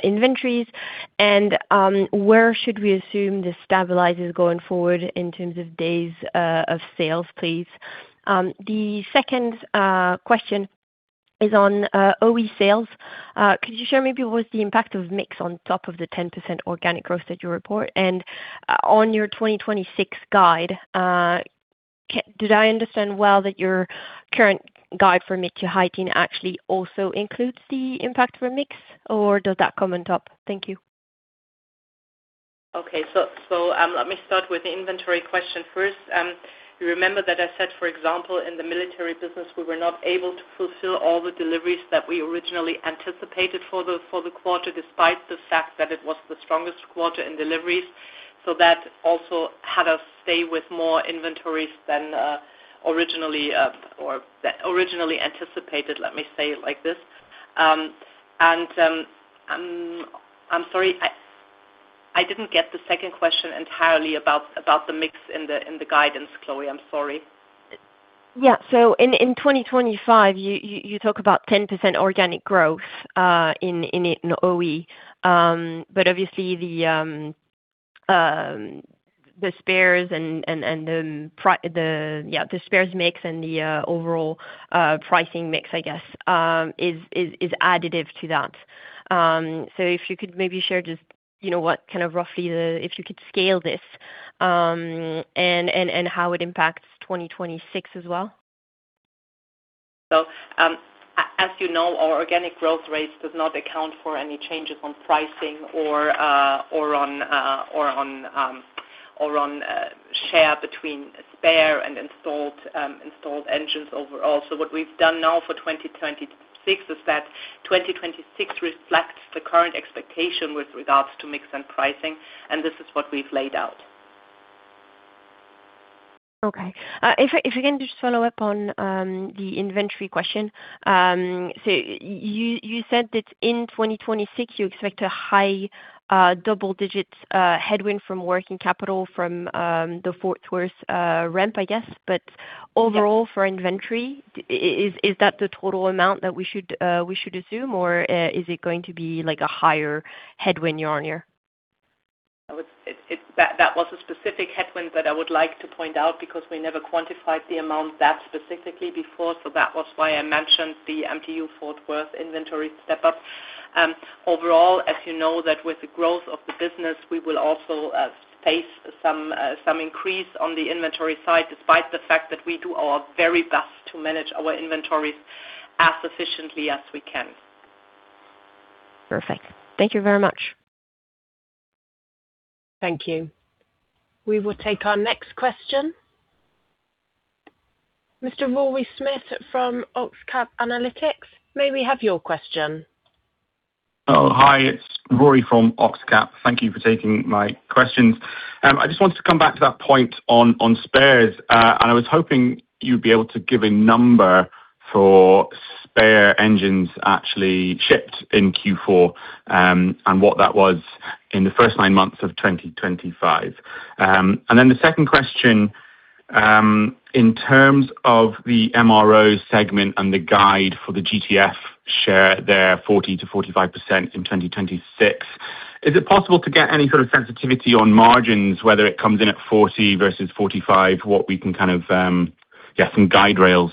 inventories? Where should we assume this stabilizes going forward in terms of days of sales, please? The second question is on OE sales. Could you share maybe what's the impact of mix on top of the 10% organic growth that you report? On your 2026 guide, did I understand well that your current guide for mix you're hiding actually also includes the impact for mix, or does that come on top? Thank you. Let me start with the inventory question first. You remember that I said, for example, in the military business, we were not able to fulfill all the deliveries that we originally anticipated for the quarter, despite the fact that it was the strongest quarter in deliveries. That also had us stay with more inventories than originally anticipated, let me say it like this. I'm sorry, I didn't get the second question entirely about the mix in the guidance, Chloé. I'm sorry. In 2025, you talk about 10% organic growth in OE, but obviously the spares and the spares mix and the overall pricing mix, I guess, is additive to that. If you could maybe share just, you know, what kind of roughly if you could scale this and how it impacts 2026 as well? As you know, our organic growth rate does not account for any changes on pricing or on share between spare and installed engines overall. What we've done now for 2026 is that 2026 reflects the current expectation with regards to mix and pricing, and this is what we've laid out. Okay. If I can just follow up on the inventory question. You said that in 2026, you expect a high double-digits headwind from working capital from the Fort Worth ramp, I guess. Yeah. Overall for inventory, is that the total amount that we should, we should assume, or, is it going to be like a higher headwind year-on-year? I would that was a specific headwind that I would like to point out because we never quantified the amount that specifically before. That was why I mentioned the MTU Fort Worth inventory step up. Overall, as you know, that with the growth of the business, we will also face some increase on the inventory side, despite the fact that we do our very best to manage our inventories as efficiently as we can. Perfect. Thank you very much. Thank you. We will take our next question. Mr. Rory Smith from Oxcap Analytics may we have your question? Hi, it's Rory from Oxcap. Thank you for taking my questions. I just wanted to come back to that point on spares, and I was hoping you'd be able to give a number for spare engines actually shipped in Q4, and what that was in the first 9 months of 2025. The second question, in terms of the MRO segment and the guide for the GTF share, they're 40%-45% in 2026. Is it possible to get any sort of sensitivity on margins, whether it comes in at 40 versus 45, what we can kind of get some guiderails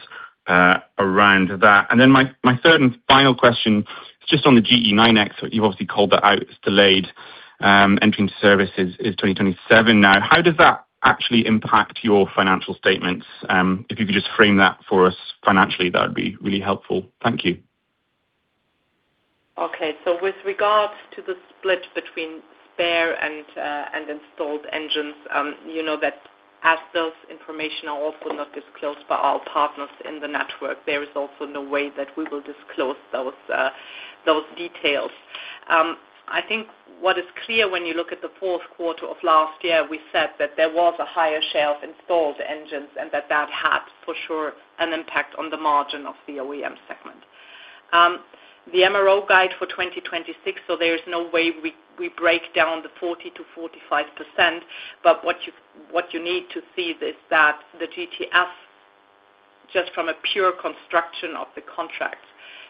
around that? My, my third and final question, just on the GE9X, you've obviously called that out, it's delayed. Entering services is 2027 now. How does that actually impact your financial statements? If you could just frame that for us financially, that would be really helpful. Thank you. Okay. With regards to the split between spare and installed engines, you know that as those information are also not disclosed by our partners in the network, there is also no way that we will disclose those details. I think what is clear when you look at the fourth quarter of last year, we said that there was a higher share of installed engines, and that had for sure, an impact on the margin of the OEM segment. The MRO guide for 2026, there is no way we break down the 40%-45%, but what you need to see is that the GTF, just from a pure construction of the contract,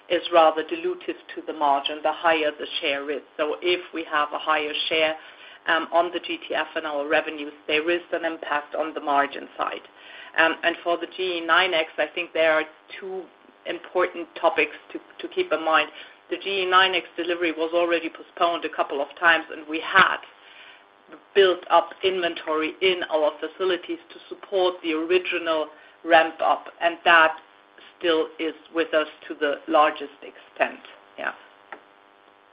is rather dilutive to the margin, the higher the share is. If we have a higher share on the GTF and our revenues, there is an impact on the margin side. For the GE9X, I think there are two important topics to keep in mind. The GE9X delivery was already postponed a couple of times, and we had built up inventory in our facilities to support the original ramp up, and that still is with us to the largest extent.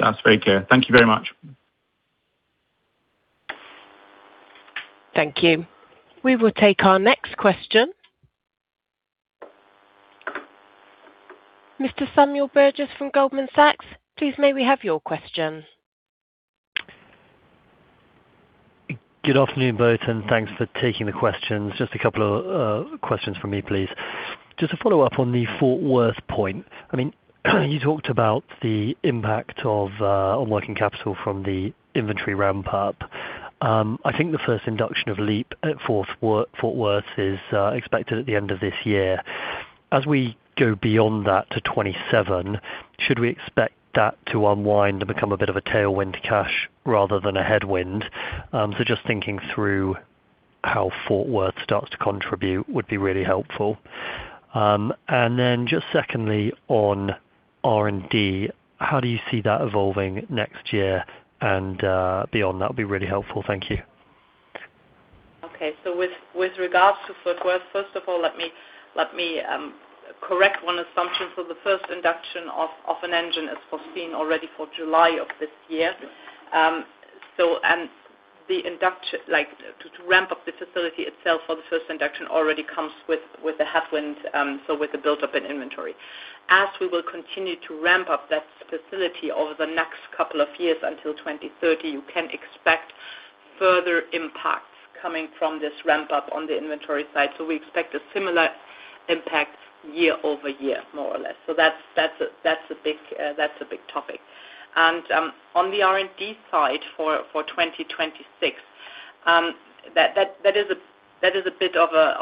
That's very clear. Thank you very much. Thank you. We will take our next question. Mr. Samuel Burgess from Goldman Sachs, please, may we have your question? Good afternoon, both, thanks for taking the questions. Just a couple of questions from me, please. Just to follow up on the Fort Worth point, I mean, you talked about the impact on working capital from the inventory ramp-up. I think the first induction of LEAP at Fort Worth is expected at the end of this year. As we go beyond that to 2027, should we expect that to unwind and become a bit of a tailwind cash rather than a headwind? Just thinking through how Fort Worth starts to contribute would be really helpful. Just secondly, on R&D, how do you see that evolving next year and beyond? That would be really helpful. Thank you. Okay. With regards to Fort Worth, first of all, let me correct one assumption. The first induction of an engine is foreseen already for July of this year. To ramp up the facility itself for the first induction already comes with the headwinds, so with the buildup in inventory. As we will continue to ramp up that facility over the next couple of years until 2030, you can expect further impacts coming from this ramp up on the inventory side. We expect a similar impact year-over-year, more or less. That's a big topic. On the R&D side, for 2026, that is a bit of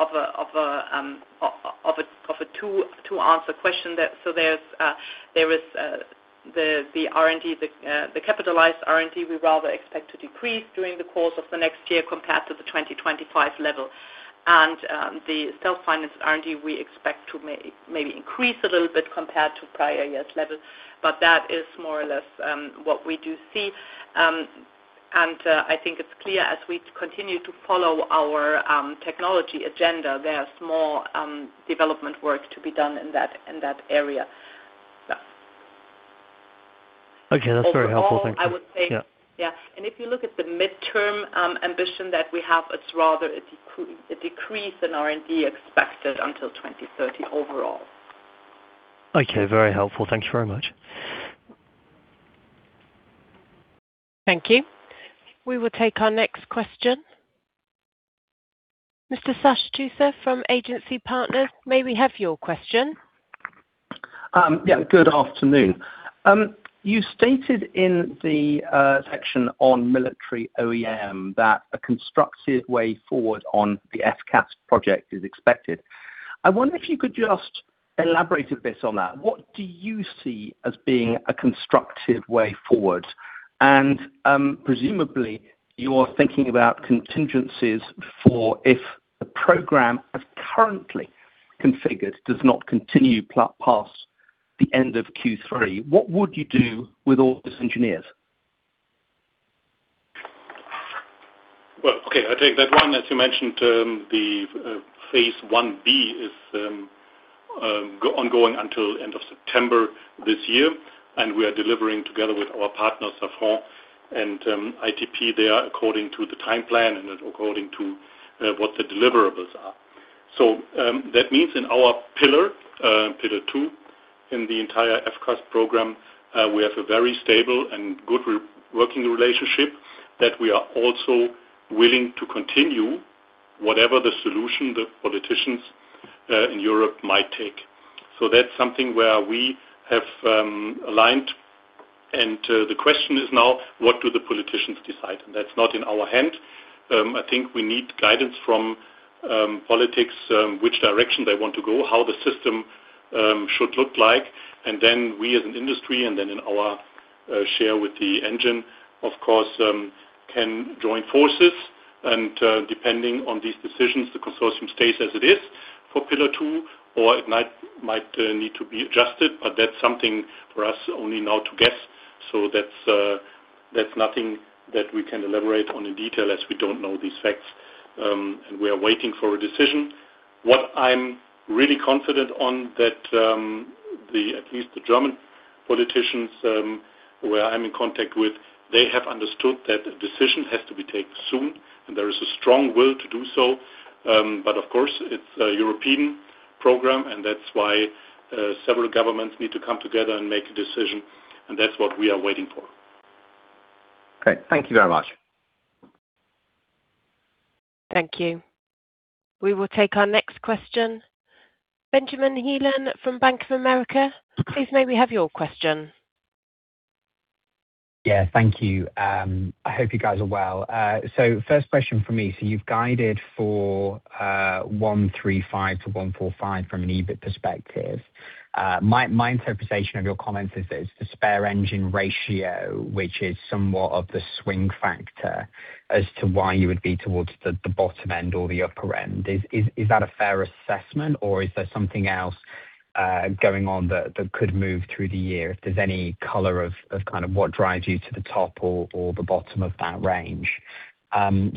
a two answer question. There's the R&D, the capitalized R&D, we rather expect to decrease during the course of the next year compared to the 2025 level. The self-financed R&D, we expect to maybe increase a little bit compared to prior years' level, but that is more or less what we do see. I think it's clear as we continue to follow our technology agenda, there's more development work to be done in that area. Okay, that's very helpful. Thank you. Overall, I would say- Yeah. Yeah. If you look at the midterm ambition that we have, it's rather a decrease in R&D expected until 2030 overall. Okay, very helpful. Thank you very much. Thank you. We will take our next question. Mr. Sash Tusa from Agency Partners, may we have your question? Yeah, good afternoon. You stated in the section on military OEM that a constructive way forward on the FCAS project is expected. I wonder if you could just elaborate a bit on that. What do you see as being a constructive way forward? Presumably, you're thinking about contingencies for if the program, as currently configured, does not continue past the end of Q3, what would you do with all these engineers? Well, okay, I take that one. As you mentioned, the phase 1B is ongoing until end of September this year, and we are delivering together with our partners, Safran and ITP. They are according to the time plan and according to what the deliverables are. That means in our pillar 2, in the entire FCAS program, we have a very stable and good working relationship that we are also willing to continue whatever the solution the politicians in Europe might take. That's something where we have aligned. The question is now: What do the politicians decide? That's not in our hand. I think we need guidance from politics which direction they want to go, how the system should look like. We, as an industry, and then in our share with the engine, of course, can join forces. Depending on these decisions, the consortium stays as it is for pillar two, or it might need to be adjusted, but that's something for us only now to guess. That's, that's nothing that we can elaborate on in detail, as we don't know these facts, and we are waiting for a decision. What I'm really confident on that, at least the German politicians, who I'm in contact with, they have understood that a decision has to be taken soon, and there is a strong will to do so. Of course, it's a European program, and that's why several governments need to come together and make a decision, and that's what we are waiting for. Great. Thank you very much. Thank you. We will take our next question. Benjamin Heelan from Bank of America, please may we have your question? Yeah, thank you. I hope you guys are well. First question for me: you've guided for 135-145 from an EBIT perspective. My interpretation of your comments is that it's the spare engine ratio, which is somewhat of the swing factor, as to why you would be towards the bottom end or the upper end. Is that a fair assessment, or is there something else going on that could move through the year? If there's any color of kind of what drives you to the top or the bottom of that range.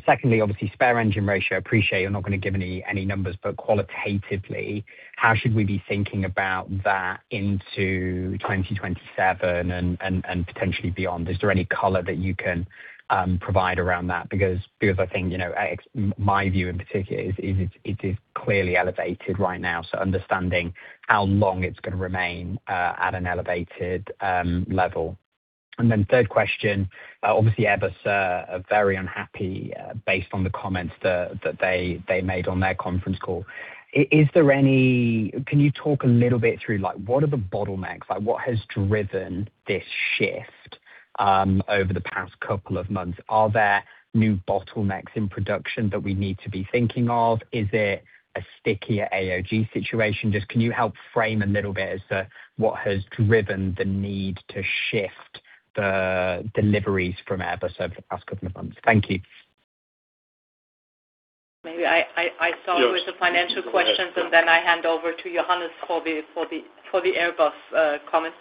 Secondly, obviously, spare engine ratio, appreciate you're not going to give any numbers, but qualitatively, how should we be thinking about that into 2027 and potentially beyond? Is there any color that you can provide around that? Because I think, you know, my view in particular, is it is clearly elevated right now, so understanding how long it's going to remain at an elevated level. Third question, obviously, Eberspächer are very unhappy, based on the comments that they made on their conference call. Can you talk a little bit through, like, what are the bottlenecks? Like, what has driven this shift over the past couple of months? Are there new bottlenecks in production that we need to be thinking of? Is it a stickier AOG situation? Can you help frame a little bit as to what has driven the need to shift the deliveries from Airbus over the past couple of months? Thank you. Maybe I start with the financial questions, and then I hand over to Johannes for the Airbus comment.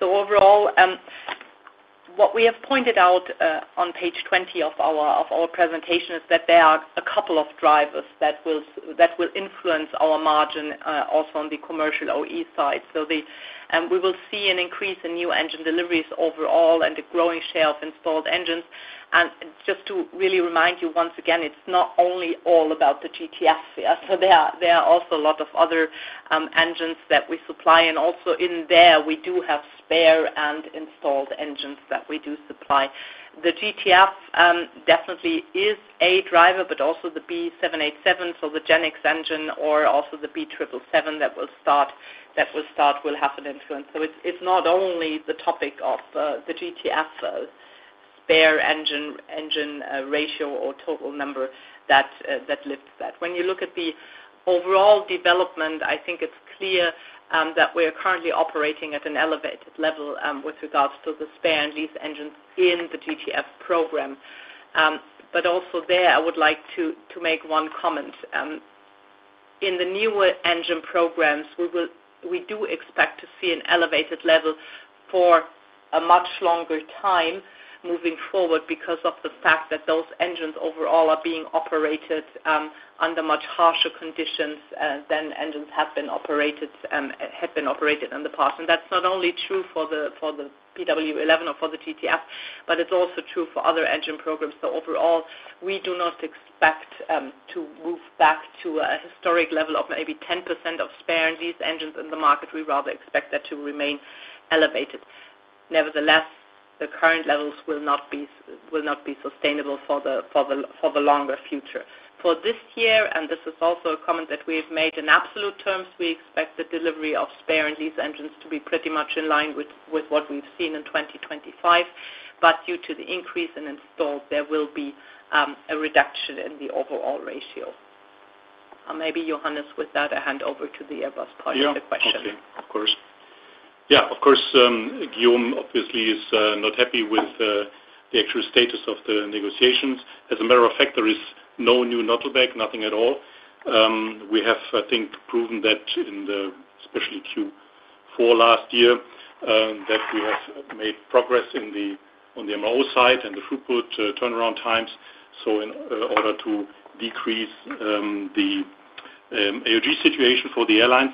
Overall, what we have pointed out on page 20 of our presentation is that there are a couple of drivers that will influence our margin also on the commercial OE side. We will see an increase in new engine deliveries overall and a growing share of installed engines. Just to really remind you, once again, it's not only all about the GTF sphere. There are also a lot of other engines that we supply, and also in there, we do have spare and installed engines that we do supply. The GTF, definitely is a driver, but also the B787, so the GEnx engine, or also the B777 that will start, will have an influence. It's not only the topic of the GTF, spare engine, ratio or total number that lifts that. When you look at the overall development, I think it's clear, that we are currently operating at an elevated level, with regards to the spare and lease engines in the GTF program. Also there, I would like to make one comment. In the newer engine programs, we do expect to see an elevated level for a much longer time moving forward because of the fact that those engines overall are being operated under much harsher conditions than engines have been operated in the past. That's not only true for the PW11 or for the GTF, but it's also true for other engine programs. Overall, we do not expect to move back to a historic level of maybe 10% of spare and these engines in the market, we rather expect that to remain elevated. Nevertheless, the current levels will not be sustainable for the longer future. For this year, this is also a comment that we have made in absolute terms, we expect the delivery of spare and these engines to be pretty much in line with what we've seen in 2025. Due to the increase in installed, there will be a reduction in the overall ratio. Maybe Johannes, with that, I hand over to the Airbus part of the question. Of course. Of course, Guillaume obviously is not happy with the actual status of the negotiations. As a matter of fact, there is no new knotted bag, nothing at all. We have, I think, proven that in the, especially Q4 last year, that we have made progress on the MRO side and the throughput turnaround times, so in order to decrease the AOG situation for the airlines.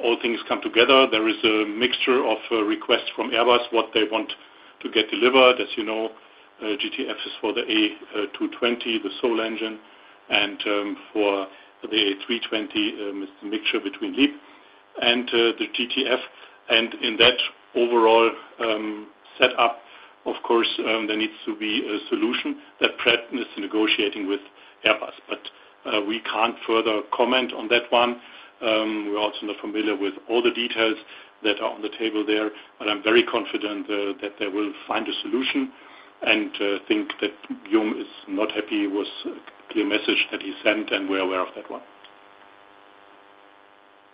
All things come together. There is a mixture of requests from Airbus, what they want to get delivered. As you know, GTFs is for the A220, the sole engine, and for the A320, it's a mixture between LEAP and the GTF. In that overall setup, of course, there needs to be a solution that Pratt is negotiating with Airbus. We can't further comment on that one. We're also not familiar with all the details that are on the table there, but I'm very confident that they will find a solution, and think that Guillaume is not happy with clear message that he sent, and we're aware of that one.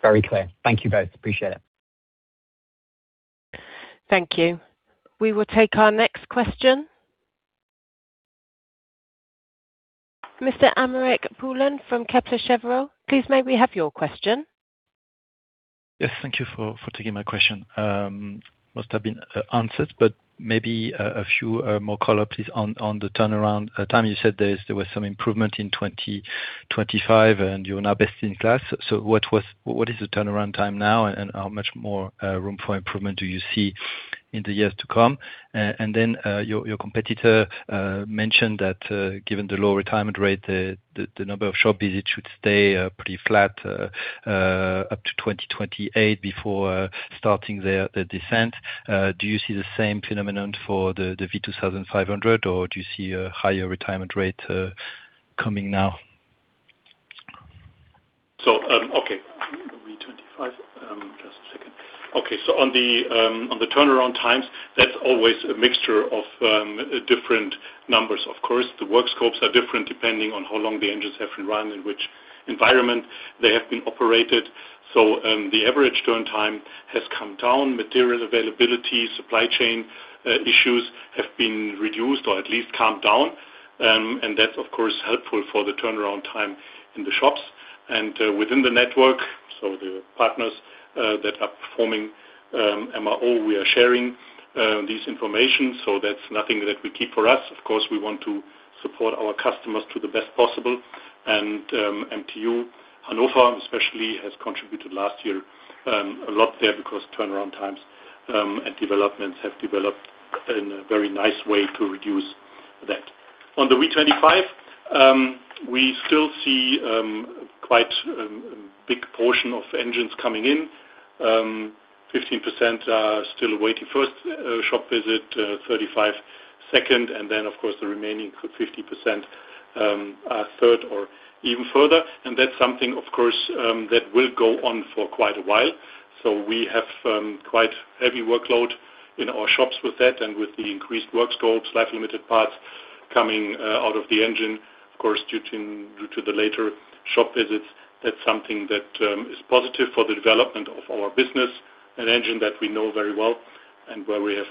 Very clear. Thank you both. Appreciate it. Thank you. We will take our next question. Mr. Aymeric Poulain from Kepler Cheuvreux, please may we have your question? Yes, thank you for taking my question. Must have been answered, but maybe a few more color, please, on the turnaround time you said there was some improvement in 2025, and you're now best in class. What is the turnaround time now, and how much more room for improvement do you see in the years to come? Your competitor mentioned that given the low retirement rate, the number of shop visits should stay pretty flat up to 2028 before starting the descent. Do you see the same phenomenon for the V2500, or do you see a higher retirement rate coming now? Okay. V-25, just a second. Okay, on the turnaround times, that's always a mixture of different numbers. Of course, the work scopes are different depending on how long the engines have been run, in which environment they have been operated. The average turn time has come down. Material availability, supply chain issues have been reduced or at least calmed down, and that's of course, helpful for the turnaround time in the shops and within the network. The partners that are performing MRO, we are sharing this information, so that's nothing that we keep for us. Of course, we want to support our customers to the best possible. MTU, Hannover especially, has contributed last year a lot there because turnaround times and developments have developed in a very nice way to reduce that. On the V25, we still see quite big portion of engines coming in. 15% are still waiting first shop visit, 35 second, and then, of course, the remaining 50% are third or even further. That's something, of course, that will go on for quite a while. We have quite heavy workload in our shops with that and with the increased work scopes, life limited parts.... coming out of the engine, of course, due to the later shop visits, that's something that is positive for the development of our business, an engine that we know very well and where we have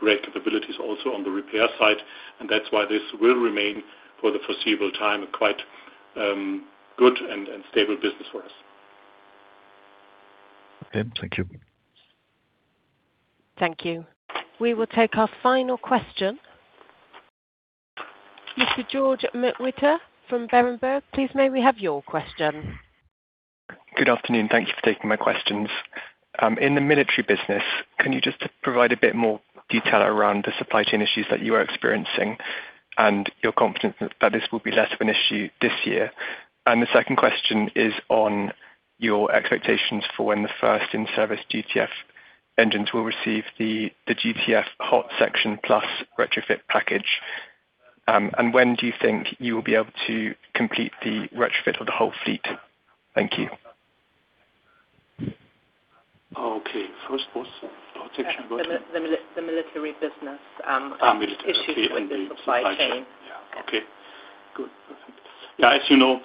great capabilities also on the repair side, and that's why this will remain for the foreseeable time, a quite good and stable business for us. Okay, thank you. Thank you. We will take our final question. Mr. George McWhirter from Berenberg, please, may we have your question? Good afternoon. Thank you for taking my questions. In the military business, can you just provide a bit more detail around the supply chain issues that you are experiencing and your confidence that this will be less of an issue this year? The second question is on your expectations for when the first in-service GTF engines will receive the GTF Hot Section Plus retrofit package. When do you think you will be able to complete the retrofit of the whole fleet? Thank you. Okay, first was? Hot section question. The military business, Military. issues with the supply chain. Yeah. Okay, good. Yeah, as you know,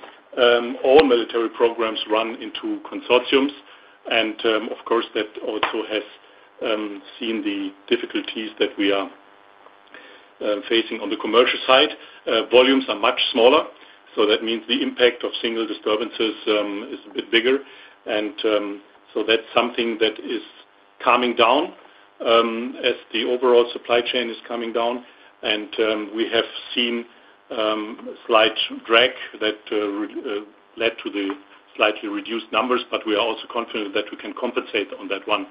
all military programs run into consortiums, and of course, that also has seen the difficulties that we are facing on the commercial side. Volumes are much smaller, so that means the impact of single disturbances is a bit bigger. That's something that is calming down as the overall supply chain is calming down, and we have seen slight drag that led to the slightly reduced numbers, but we are also confident that we can compensate on that one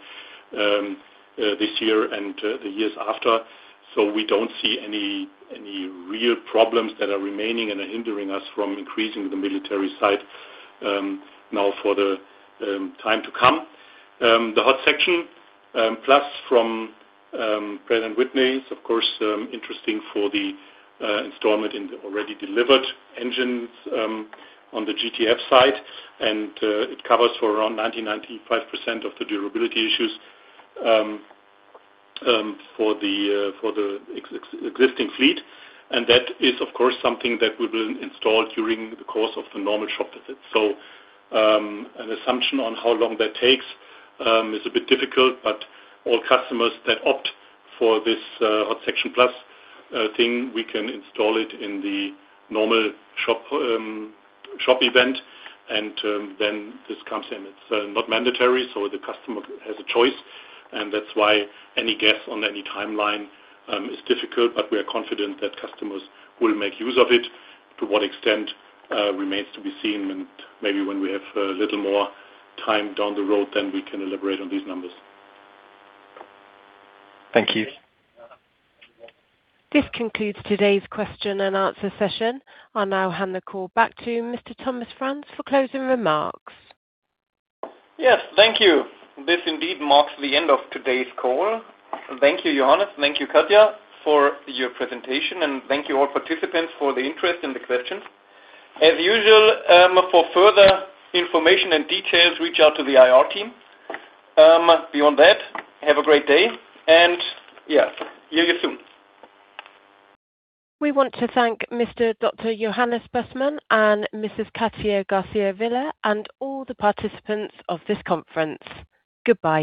this year and the years after. We don't see any real problems that are remaining and are hindering us from increasing the military side now for the time to come. The Hot Section Plus from Pratt & Whitney is, of course, interesting for the installment in the already delivered engines on the GTF side. It covers for around 90-95% of the durability issues for the existing fleet. That is, of course, something that we will install during the course of the normal shop visit. An assumption on how long that takes is a bit difficult, but all customers that opt for this Hot Section Plus thing, we can install it in the normal shop event, then this comes in. It's not mandatory, so the customer has a choice, and that's why any guess on any timeline is difficult, but we are confident that customers will make use of it. To what extent, remains to be seen, and maybe when we have a little more time down the road, then we can elaborate on these numbers. Thank you. This concludes today's question and answer session. I'll now hand the call back to Mr. Thomas Franz for closing remarks. Yes, thank you. This indeed marks the end of today's call. Thank you, Johannes, thank you, Katja, for your presentation, and thank you all participants for the interest and the questions. As usual, for further information and details, reach out to the IR team. Beyond that, have a great day, and, yeah, see you soon. We want to thank Mr. Dr. Johannes Bussmann and Mrs. Katja Garcia Vila, and all the participants of this conference. Goodbye.